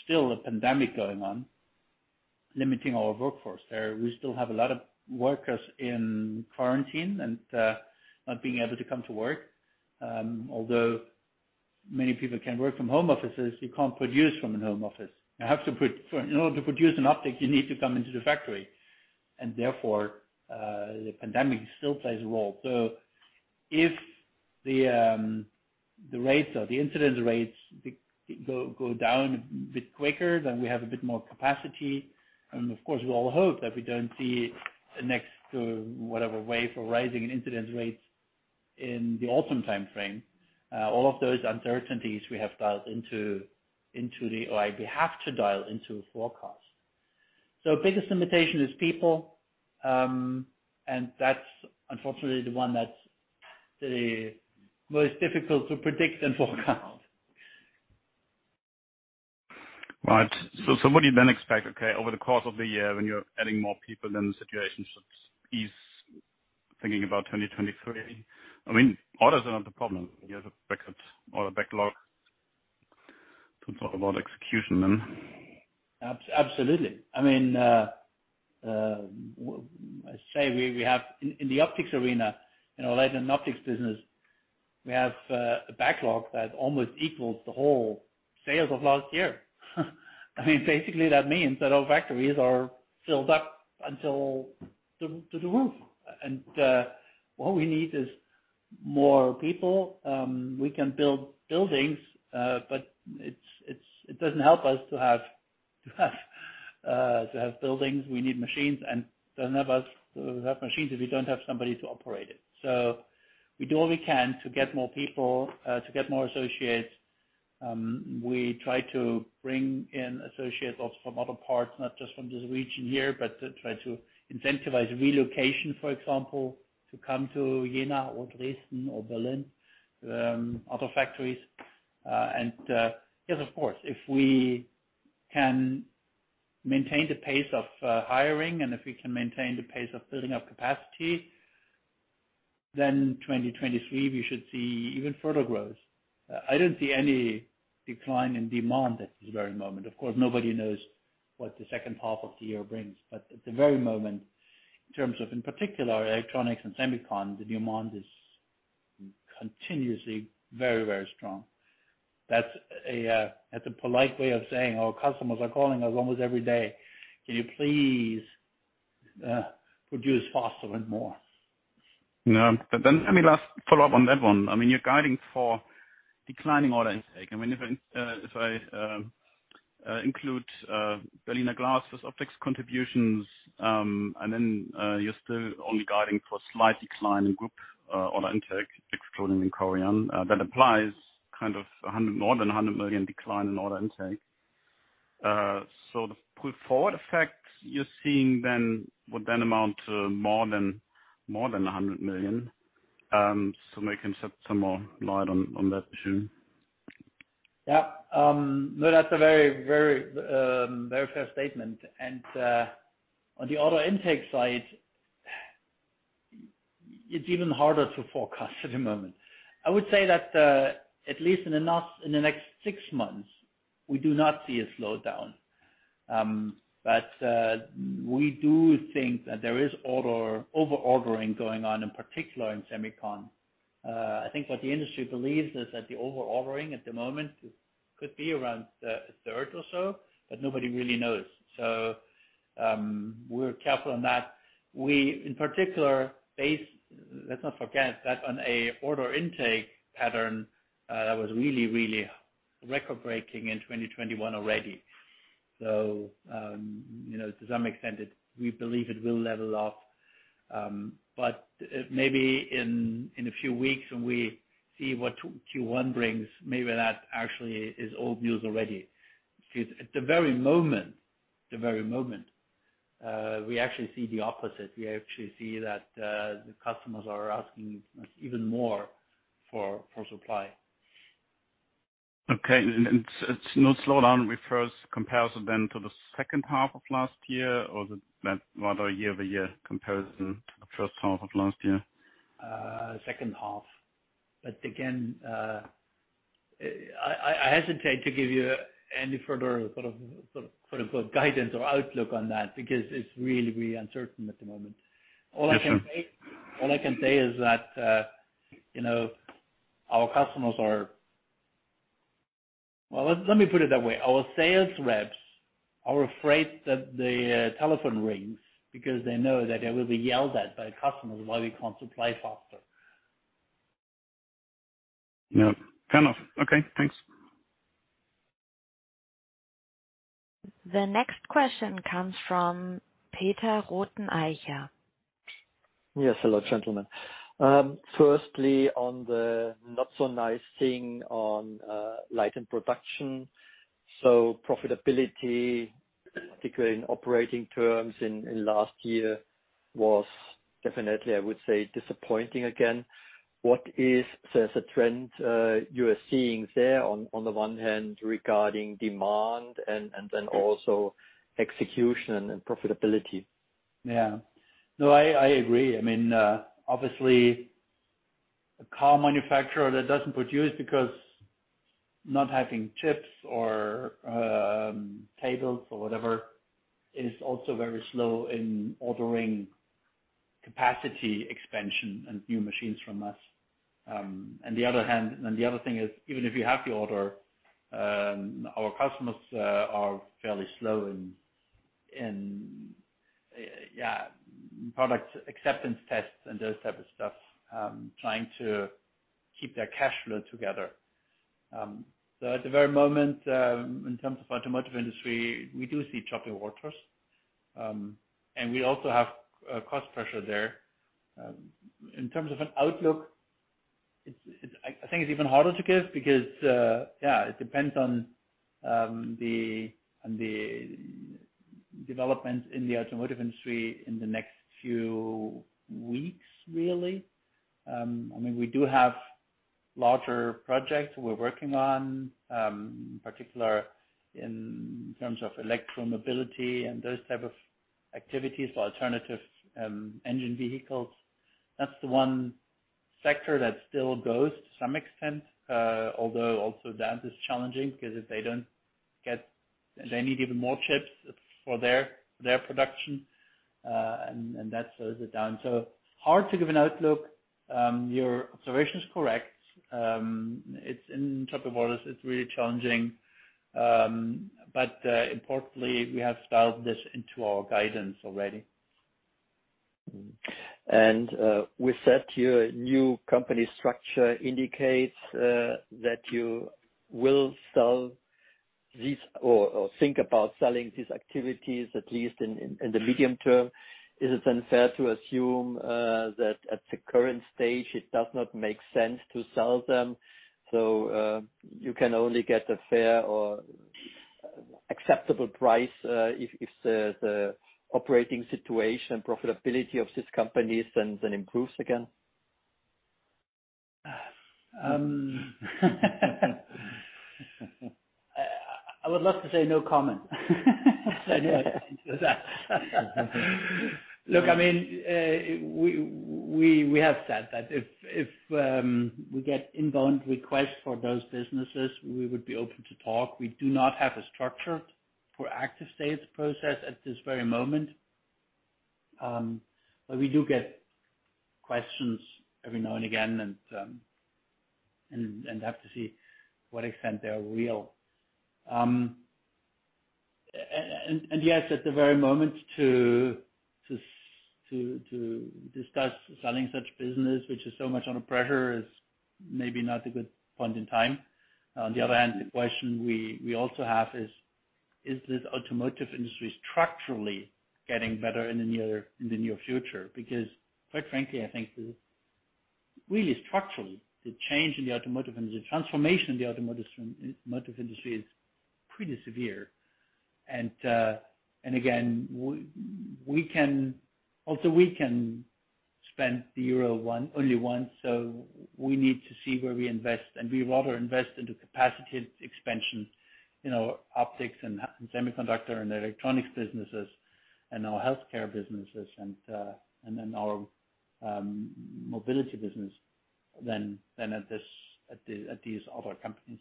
still a pandemic going on limiting our workforce. We still have a lot of workers in quarantine and not being able to come to work. Although many people can work from home offices, you can't produce from a home office. In order to produce an optic, you need to come into the factory, and therefore, the pandemic still plays a role. If the rates or the incidence rates go down a bit quicker, then we have a bit more capacity. Of course, we all hope that we don't see the next whatever wave of rising incidence rates in the autumn timeframe. All of those uncertainties we have dialed into the forecast. Or we have to dial into forecast. Biggest limitation is people, and that's unfortunately the one that's the most difficult to predict and forecast. Right. What do you then expect, okay, over the course of the year when you're adding more people, then the situation should ease, thinking about 2023? I mean, orders are not the problem. You have a backup or a backlog. It's all about execution then? Absolutely. I mean, I say we have in the optics arena, in our laser and optics business, a backlog that almost equals the whole sales of last year. I mean, basically, that means that our factories are filled up to the roof. What we need is more people. We can build buildings, but it doesn't help us to have buildings. We need machines and it doesn't help us to have machines if we don't have somebody to operate it. We do what we can to get more associates. We try to bring in associates also from other parts, not just from this region here, but try to incentivize relocation, for example, to come to Jena or Dresden or Berlin, other factories. Yes, of course, if we can maintain the pace of hiring and if we can maintain the pace of building up capacity, then 2023, we should see even further growth. I don't see any decline in demand at this very moment. Of course, nobody knows what the second half of the year brings. At the very moment, in terms of in particular electronics and semicon, the demand is continuously very, very strong. That's a polite way of saying our customers are calling us almost every day, "Can you please produce faster and more? No. Let me last follow up on that one. I mean, you're guiding for declining order intake. I mean, if I include Berliner Glas' optics contributions, and then you're still only guiding for slight decline in group order intake, excluding VINCORION, that implies kind of 100, more than 100 million decline in order intake. So the pull forward effect you're seeing then would then amount to more than 100 million. So maybe you can shed some more light on that issue. Yeah. No, that's a very fair statement. On the order intake side, it's even harder to forecast at the moment. I would say that at least in the next six months, we do not see a slowdown. We do think that there is over-ordering going on, in particular in semicon. I think what the industry believes is that the over-ordering at the moment could be around a third or so, but nobody really knows. We're careful on that. We in particular base that, let's not forget, on an order intake pattern that was really record-breaking in 2021 already. To some extent, we believe it will level off. Maybe in a few weeks when we see what Q1 brings, maybe that actually is old news already. Because at the very moment, we actually see the opposite. We actually see that the customers are asking even more for supply. Okay. It's no slowdown with first comparison then to the second half of last year or rather year-over-year comparison to the first half of last year? Second half. I hesitate to give you any further sort of quote-unquote "guidance or outlook on that," because it's really uncertain at the moment. For sure. All I can say is that, you know, well, let me put it that way. Our sales reps are afraid that the telephone rings because they know that they will be yelled at by customers why we can't supply faster. Yeah. Fair enough. Okay, thanks. The next question comes from Peter Rothenaicher. Yes. Hello, gentlemen. Firstly, on the not so nice thing on Light & Production. Profitability, particularly in operating terms in last year was definitely, I would say, disappointing again. What is the trend you are seeing there on the one hand regarding demand and then also execution and profitability? No, I agree. I mean, obviously a car manufacturer that doesn't produce because not having chips or cables or whatever is also very slow in ordering capacity expansion and new machines from us. On the other hand, the other thing is, even if you have the order, our customers are fairly slow in product acceptance tests and those type of stuff, trying to keep their cash flow together. At the very moment, in terms of automotive industry, we do see choppy waters. We also have cost pressure there. In terms of an outlook, it's even harder to give because it depends on the development in the automotive industry in the next few weeks, really. I mean, we do have larger projects we're working on, particularly in terms of electromobility and those type of activities or alternative engine vehicles. That's the one sector that still goes to some extent, although also that is challenging because they need even more chips for their production, and that slows it down. Hard to give an outlook. Your observation is correct. It's in choppy waters. It's really challenging. Importantly, we have built this into our guidance already. With that, your new company structure indicates that you will sell these or think about selling these activities, at least in the medium term. Is it then fair to assume that at the current stage, it does not make sense to sell them, so you can only get a fair or acceptable price if the operating situation, profitability of these companies then improves again? I would love to say no comment. Look, I mean, we have said that if we get inbound requests for those businesses, we would be open to talk. We do not have a structure for active sales process at this very moment. We do get questions every now and again and have to see to what extent they are real. Yes, at the very moment to discuss selling such business, which is so much under pressure, is maybe not a good point in time. On the other hand, the question we also have is this automotive industry structurally getting better in the near future? Because quite frankly, I think really structurally, the change in the automotive and the transformation in the automotive industry is pretty severe. We can spend the euro only once, so we need to see where we invest. We rather invest into capacity expansion, you know, optics and semiconductor and electronics businesses and our healthcare businesses and then our mobility business than at these other companies.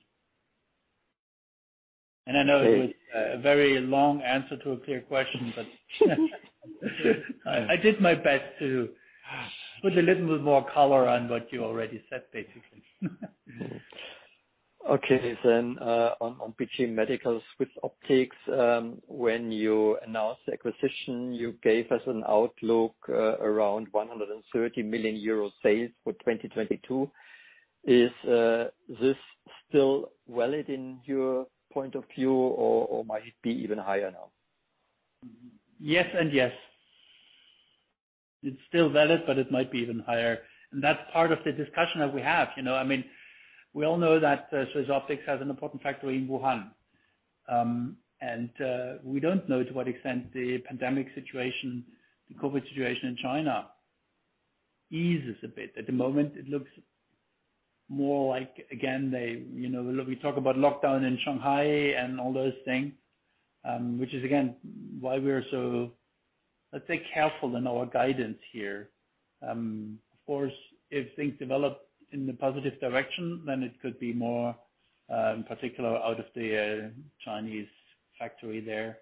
I know it was a very long answer to a clear question, but I did my best to put a little bit more color on what you already said, basically. Okay. On BG Medical, SwissOptic, when you announced the acquisition, you gave us an outlook around 130 million euro sales for 2022. Is this still valid in your point of view or might it be even higher now? Yes and yes. It's still valid, but it might be even higher. That's part of the discussion that we have. You know, I mean, we all know that SwissOptic has an important factory in Wuhan. We don't know to what extent the pandemic situation, the COVID situation in China eases a bit. At the moment, it looks more like, again, You know, look, we talk about lockdown in Shanghai and all those things, which is again, why we are so, let's say, careful in our guidance here. Of course, if things develop in the positive direction, then it could be more, in particular out of the Chinese factory there,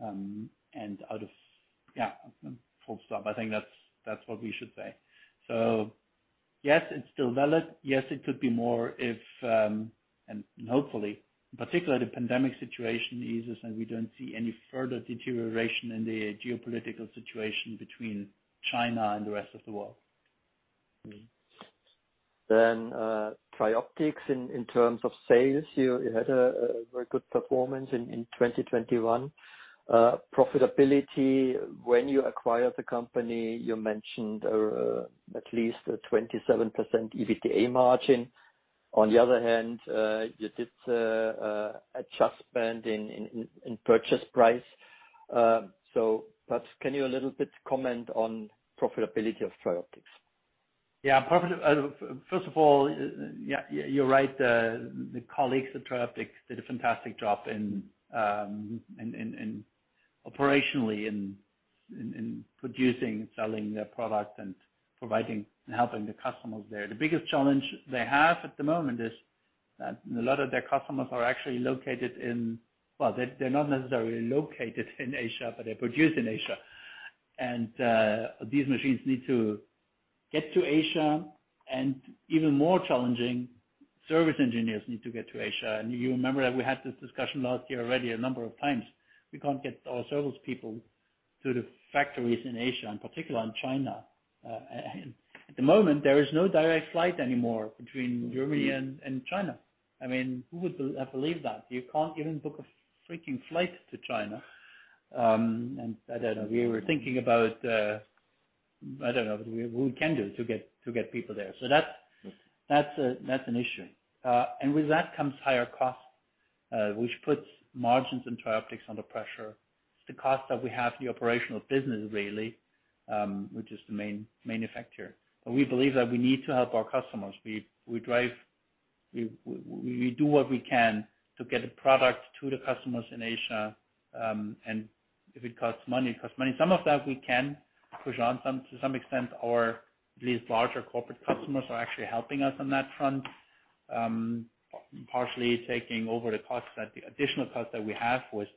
and out of. Yeah, full stop. I think that's what we should say. Yes, it's still valid. Yes, it could be more if, and hopefully, particularly the pandemic situation eases and we don't see any further deterioration in the geopolitical situation between China and the rest of the world. TRIOPTICS, in terms of sales, you had a very good performance in 2021. Profitability, when you acquired the company, you mentioned at least a 27% EBITDA margin. On the other hand, you did purchase price adjustment. So perhaps you can a little bit comment on profitability of TRIOPTICS? First of all, yeah, you're right. The colleagues at TRIOPTICS did a fantastic job operationally in producing and selling their product and providing and helping the customers there. The biggest challenge they have at the moment is that a lot of their customers are actually located in. Well, they're not necessarily located in Asia, but they're produced in Asia. These machines need to get to Asia, and even more challenging, service engineers need to get to Asia. You remember that we had this discussion last year already a number of times. We can't get our service people to the factories in Asia, in particular in China. At the moment, there is no direct flight anymore between Germany and China. I mean, who would believe that? You can't even book a freaking flight to China. I don't know. We were thinking about, I don't know, what we can do to get people there. That's an issue. With that comes higher costs, which puts margins in TRIOPTICS under pressure. It's the cost that we have the operational business really, which is the main manufacturer. We believe that we need to help our customers. We do what we can to get the product to the customers in Asia. If it costs money, it costs money. Some of that we can push on some, to some extent, or at least larger corporate customers are actually helping us on that front, partially taking over the costs, the additional costs that we have with,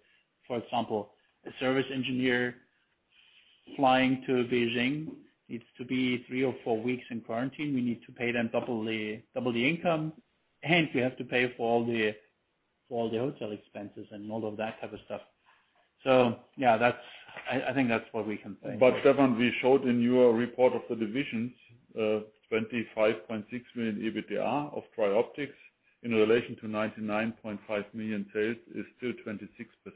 for example, a service engineer flying to Beijing needs to be three or four weeks in quarantine. We need to pay them double the income, and we have to pay for all the hotel expenses and all of that type of stuff. Yeah, I think that's what we can say. Stefan, we showed in your report of the divisions, 25.6 million EBITDA of TRIOPTICS in relation to 99.5 million sales is still 26%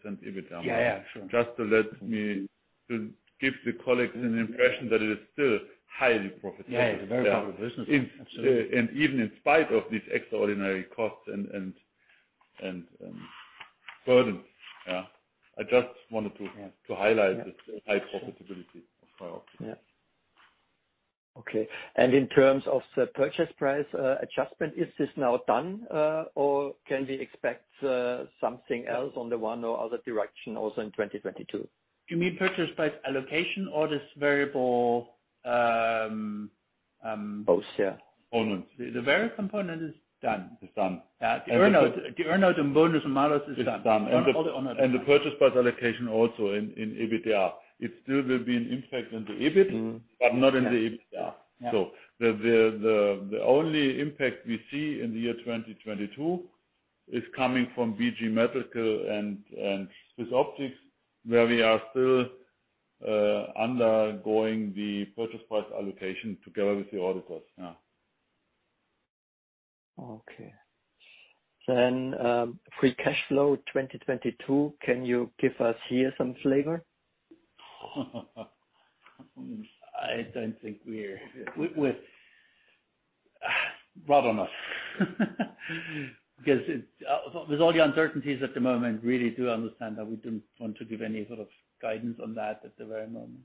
EBITDA margin. Yeah, yeah. Sure. To give the colleagues an impression that it is still highly profitable. Yeah, it's a very profitable business. Absolutely. Even in spite of these extraordinary costs and burden. Yeah. I just wanted to- Yeah. to highlight the high profitability of TRIOPTICS. Yeah. Okay. In terms of the purchase price adjustment, is this now done, or can we expect something else on the one or other direction also in 2022? You mean purchase price allocation or this variable? Both. Yeah. Components. The various components are done. Is done. The earn-out and bonus and malus is done. Is done. All the earn-out is done. The purchase price allocation also in EBITDA. It still will be an impact on the EBIT. Mm-hmm. not in the EBITDA. Yeah. The only impact we see in the year 2022 is coming from BG Medical and SwissOptic, where we are still undergoing the purchase price allocation together with the auditors. Yeah. Okay. Free cash flow 2022, can you give us here some flavor? I don't think we're broad enough. Because with all the uncertainties at the moment, you really do understand that we don't want to give any sort of guidance on that at the very moment.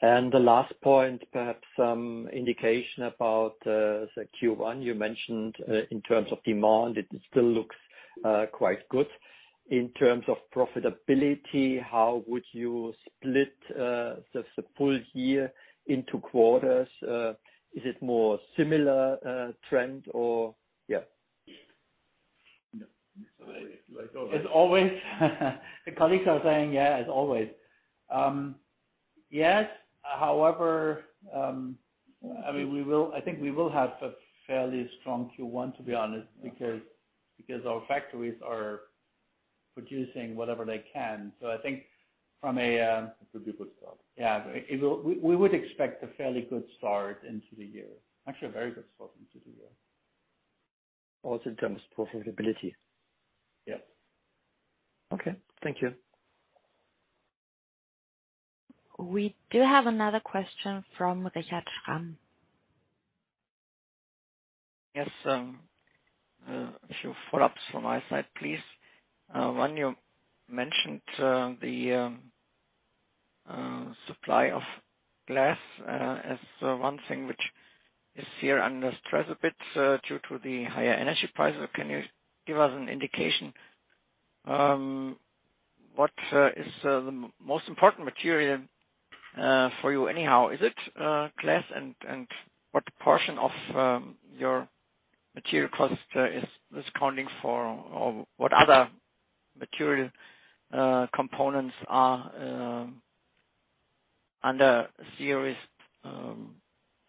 Perhaps some indication about the Q1 you mentioned in terms of demand. It still looks quite good. In terms of profitability, how would you split the full year into quarters? Is it more similar trend or yeah? Like always. As always. The colleagues are saying, "Yeah, as always." Yes. However, I mean, I think we will have a fairly strong Q1, to be honest, because our factories are producing whatever they can. So I think from a, It would be a good start. Yeah, it will. We would expect a fairly good start into the year. Actually, a very good start into the year. Also in terms of profitability? Yeah. Okay. Thank you. We do have another question from Richard Schramm. Yes, a few follow-ups from my side, please. One, you mentioned the supply of glass as one thing which is here under stress a bit due to the higher energy prices. Can you give us an indication what is the most important material for you anyhow? Is it glass? And what portion of your material cost is this accounting for? Or what other material components are under serious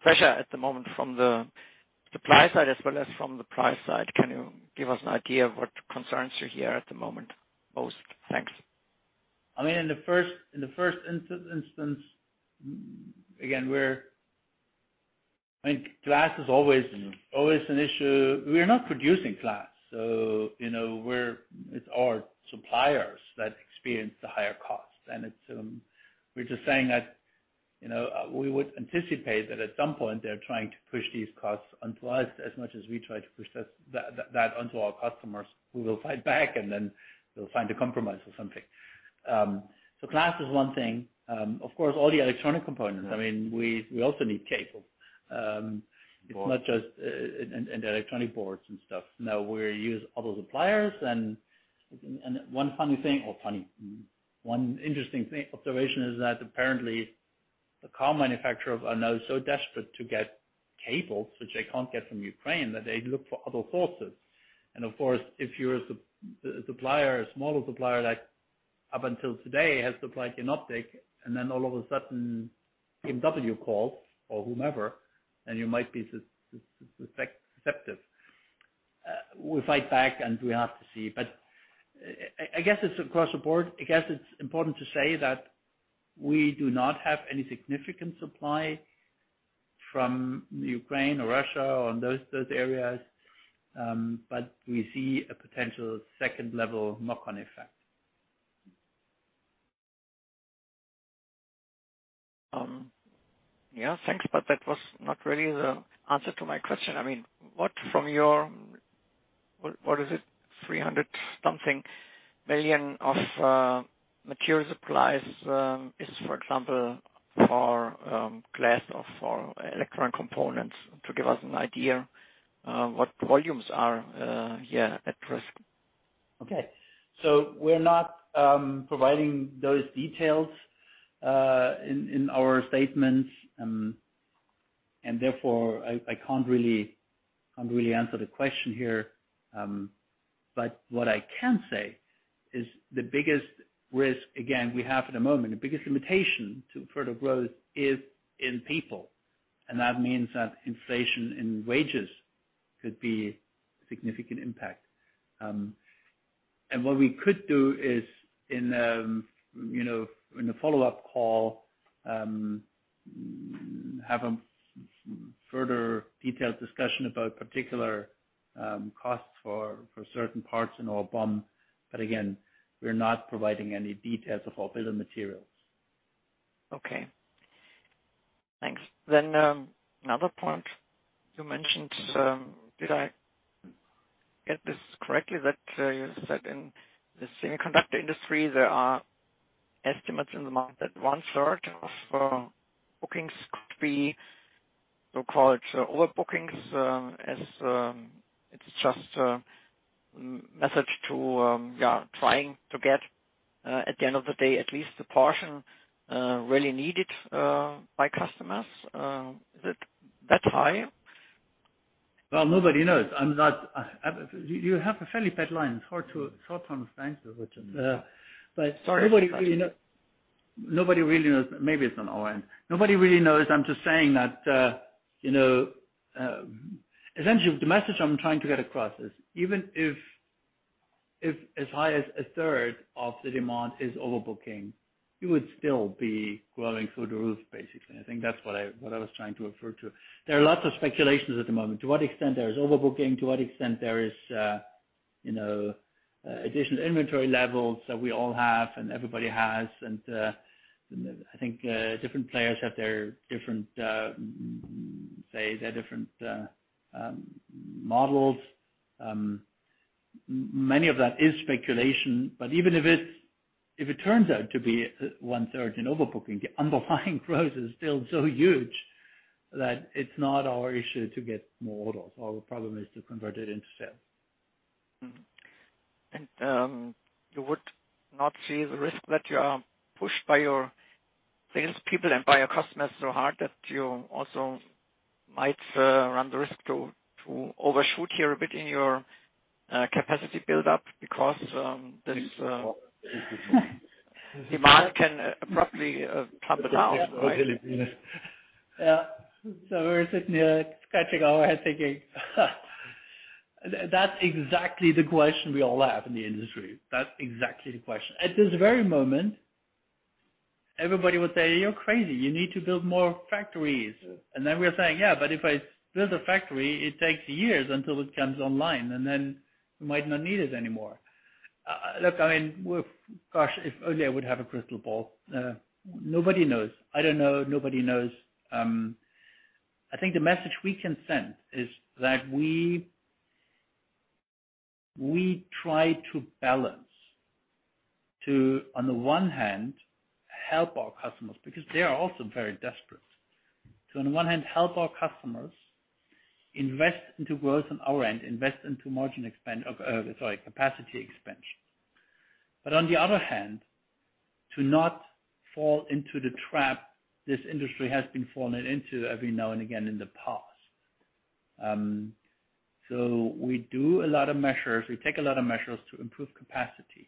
pressure at the moment from the supply side as well as from the price side? Can you give us an idea of what concerns you hear at the moment most? Thanks. I mean, in the first instance, I think glass is always an issue. We are not producing glass, so you know, it's our suppliers that experience the higher costs. We're just saying that you know, we would anticipate that at some point they're trying to push these costs onto us as much as we try to push that onto our customers, who will fight back, and then we'll find a compromise or something. Glass is one thing. Of course, all the electronic components. I mean, we also need cable. Of course. It's not just in the electronic boards and stuff. Now we use other suppliers and one interesting thing, observation is that apparently the car manufacturers are now so desperate to get cables, which they can't get from Ukraine, that they look for other sources. Of course, if you're a smaller supplier that up until today has supplied Jenoptik, and then all of a sudden BMW calls or whomever, and you might be susceptible. We fight back, and we have to see. I guess it's across the board. It's important to say that we do not have any significant supply from Ukraine or Russia or those areas, but we see a potential second level knock-on effect. Yeah, thanks. That was not really the answer to my question. I mean, what is it, 300-something million of material supplies is for example for glass or for electronic components? To give us an idea, what volumes are at risk? Okay. We're not providing those details in our statements, and therefore, I can't really answer the question here. What I can say is the biggest risk, again, we have at the moment, the biggest limitation to further growth is in people, and that means that inflation in wages could be a significant impact. What we could do is, you know, in a follow-up call, have a further detailed discussion about particular costs for certain parts in our BOM. Again, we're not providing any details of our bill of materials. Okay. Thanks. Another point you mentioned, did I get this correctly that you said in the semiconductor industry, there are estimates in the market that 1/3 of bookings could be, we'll call it overbookings, as it's just a method to trying to get at the end of the day, at least a portion really needed by customers. Is it that high? Well, nobody knows. You have a fairly bad line. It's hard to understand you, Richard. Sorry. Nobody really knows. Maybe it's on our end. Nobody really knows. I'm just saying that, you know, essentially the message I'm trying to get across is even if as high as a third of the demand is overbooking, you would still be growing through the roof, basically. I think that's what I was trying to refer to. There are lots of speculations at the moment to what extent there is overbooking, to what extent there is, you know, additional inventory levels that we all have and everybody has. I think different players have their different, say, models. Many of that is speculation, but even if it's, if it turns out to be 1/3 in overbooking, the underlying growth is still so huge that it's not our issue to get more orders. Our problem is to convert it into sales. You would not see the risk that you are pushed by your sales people and by your customers so hard that you also might run the risk to overshoot here a bit in your capacity build-up because this demand can abruptly plummet, right? We're sitting here scratching our head thinking, that's exactly the question we all have in the industry. That's exactly the question. At this very moment, everybody would say, "You're crazy. You need to build more factories." Then we're saying, "Yeah, but if I build a factory, it takes years until it comes online, and then we might not need it anymore." Look, I mean, Gosh, if only I would have a crystal ball. Nobody knows. I don't know, nobody knows. I think the message we can send is that we try to balance to, on the one hand, help our customers, because they are also very desperate. To on one hand, help our customers invest into growth on our end, invest into capacity expansion. On the other hand, to not fall into the trap this industry has been falling into every now and again in the past. We do a lot of measures, we take a lot of measures to improve capacity.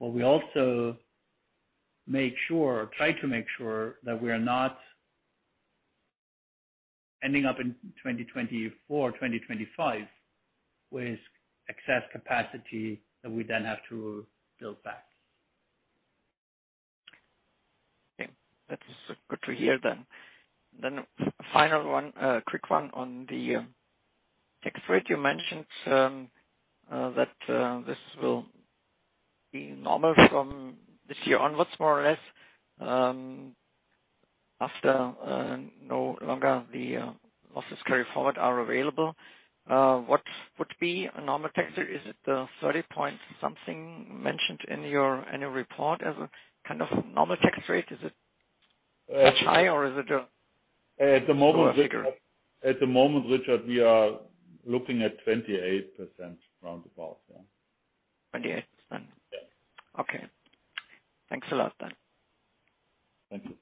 We also try to make sure that we are not ending up in 2024, 2025 with excess capacity that we then have to build back. Okay. That is good to hear. Final one, quick one on the tax rate. You mentioned that this will be normal from this year onwards more or less, after no longer the losses carry forward are available. What would be a normal tax rate? Is it the 30-something mentioned in your report as a kind of normal tax rate? Is it that high or is it a- At the moment. Lower figure? At the moment, Richard, we are looking at 28% round about, yeah. 28%. Yeah. Okay. Thanks a lot then. Thank you.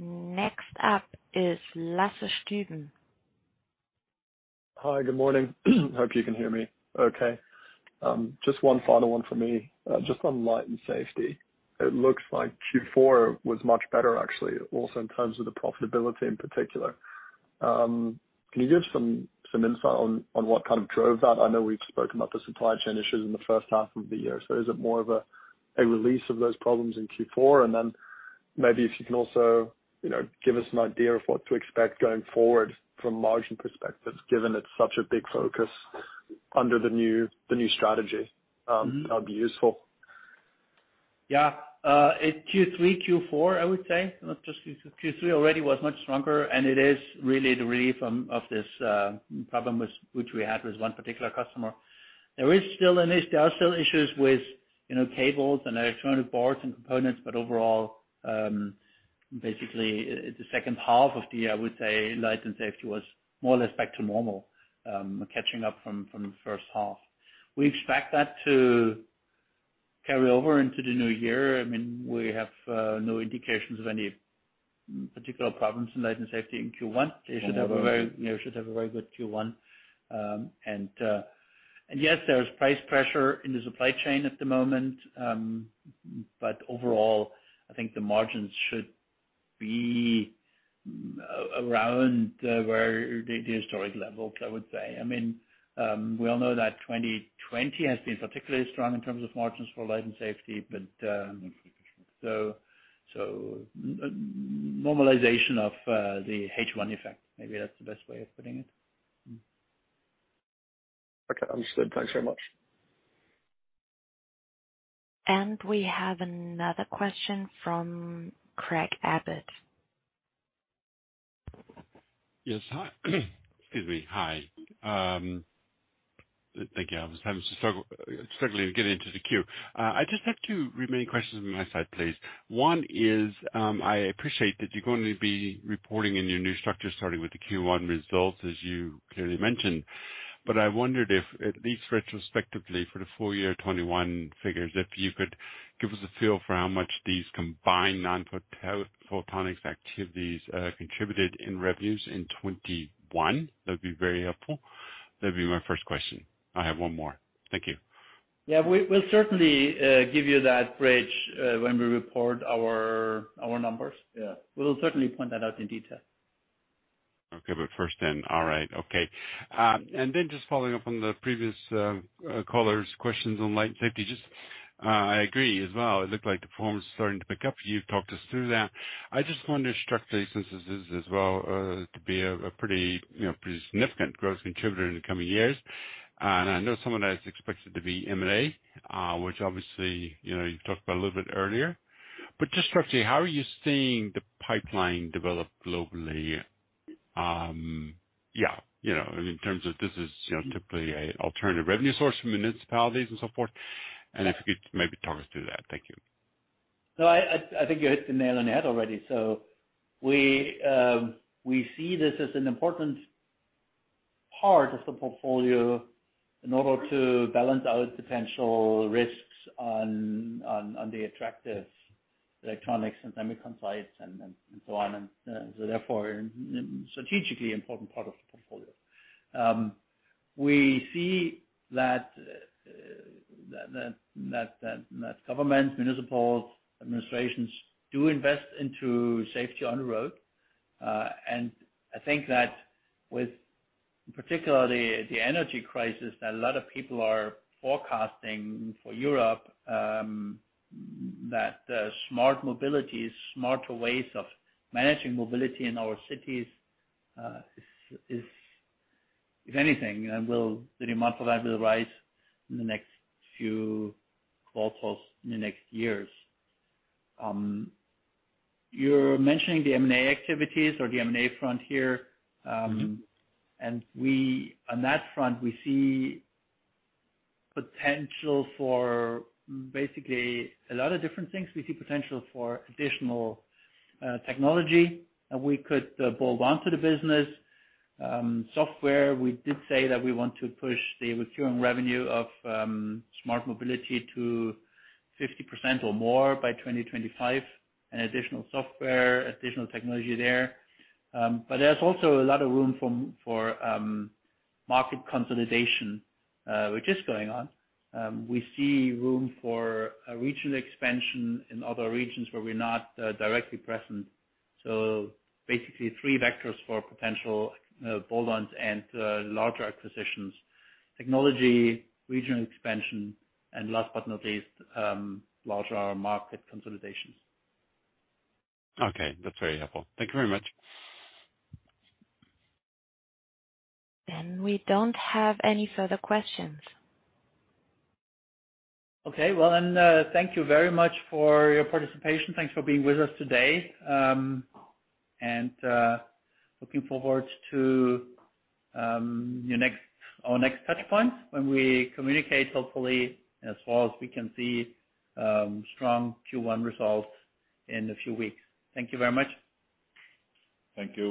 Next up is Lasse Stuben. Hi. Good morning. Hope you can hear me okay. Just one final one for me. Just on Light & Safety, it looks like Q4 was much better actually, also in terms of the profitability in particular. Can you give some insight on what kind of drove that? I know we've spoken about the supply chain issues in the first half of the year. Is it more of a release of those problems in Q4? Maybe if you can also, you know, give us an idea of what to expect going forward from margin perspective, given it's such a big focus under the new strategy, that would be useful? Yeah. In Q3, Q4, I would say, not just Q3 already was much stronger, and it is really the relief from, of this, problem with which we had with one particular customer. There are still issues with, you know, cables and electronic boards and components, but overall, basically the second half of the year, I would say Light & Safety was more or less back to normal, catching up from the first half. We expect that to carry over into the new year. I mean, we have no indications of any particular problems in Light & Safety in Q1. They should have a very good Q1. Yes, there's price pressure in the supply chain at the moment. Overall, I think the margins should be around where the historic levels, I would say. I mean, we all know that 2020 has been particularly strong in terms of margins for Light & Safety, but so normalization of the H1 effect, maybe that's the best way of putting it. Okay. Understood. Thanks very much. We have another question from Craig Abbott. Yes. Hi. Excuse me. Hi. Thank you. I was struggling to get into the queue. I just have two remaining questions on my side, please. One is, I appreciate that you're going to be reporting in your new structure starting with the Q1 results, as you clearly mentioned. I wondered if, at least retrospectively for the full year 2021 figures, if you could give us a feel for how much these combined non-photonics activities contributed in revenues in 2021. That'd be very helpful. That'd be my first question? I have one more. Thank you. Yeah. We'll certainly give you that bridge when we report our numbers. Yeah. We'll certainly point that out in detail. Just following up on the previous caller's questions on Light & Safety, I agree as well. It looked like the performance is starting to pick up. You've talked us through that. I just wonder structurally since this is as well to be a pretty, you know, pretty significant growth contributor in the coming years. I know something that is expected to be M&A, which obviously, you know, you've talked about a little bit earlier. Just structurally, how are you seeing the pipeline develop globally? Yeah, you know, in terms of this is, you know, typically an alternative revenue source from municipalities and so forth. If you could maybe talk us through that? Thank you. No, I think you hit the nail on the head already. We see this as an important part of the portfolio in order to balance out potential risks on the attractive electronics and semiconductor lights and so on. Therefore, strategically important part of the portfolio. We see that governments, municipals, administrations do invest into safety on the road. I think that with particularly the energy crisis that a lot of people are forecasting for Europe, that Smart Mobility, smarter ways of managing mobility in our cities, is, if anything, you know, the demand for that will rise in the next few quarters, in the next years. You're mentioning the M&A activities or the M&A front here. Mm-hmm. On that front, we see potential for basically a lot of different things. We see potential for additional technology that we could build onto the business. Software, we did say that we want to push the recurring revenue of Smart Mobility to 50% or more by 2025, and additional software, additional technology there. But there's also a lot of room for market consolidation, which is going on. We see room for a regional expansion in other regions where we're not directly present. Basically three vectors for potential build-ons and larger acquisitions: technology, regional expansion, and last but not least, larger market consolidations. Okay. That's very helpful. Thank you very much. We don't have any further questions. Okay. Well, then, thank you very much for your participation. Thanks for being with us today. Looking forward to our next touch point when we communicate, hopefully, as well as we can see, strong Q1 results in a few weeks. Thank you very much. Thank you.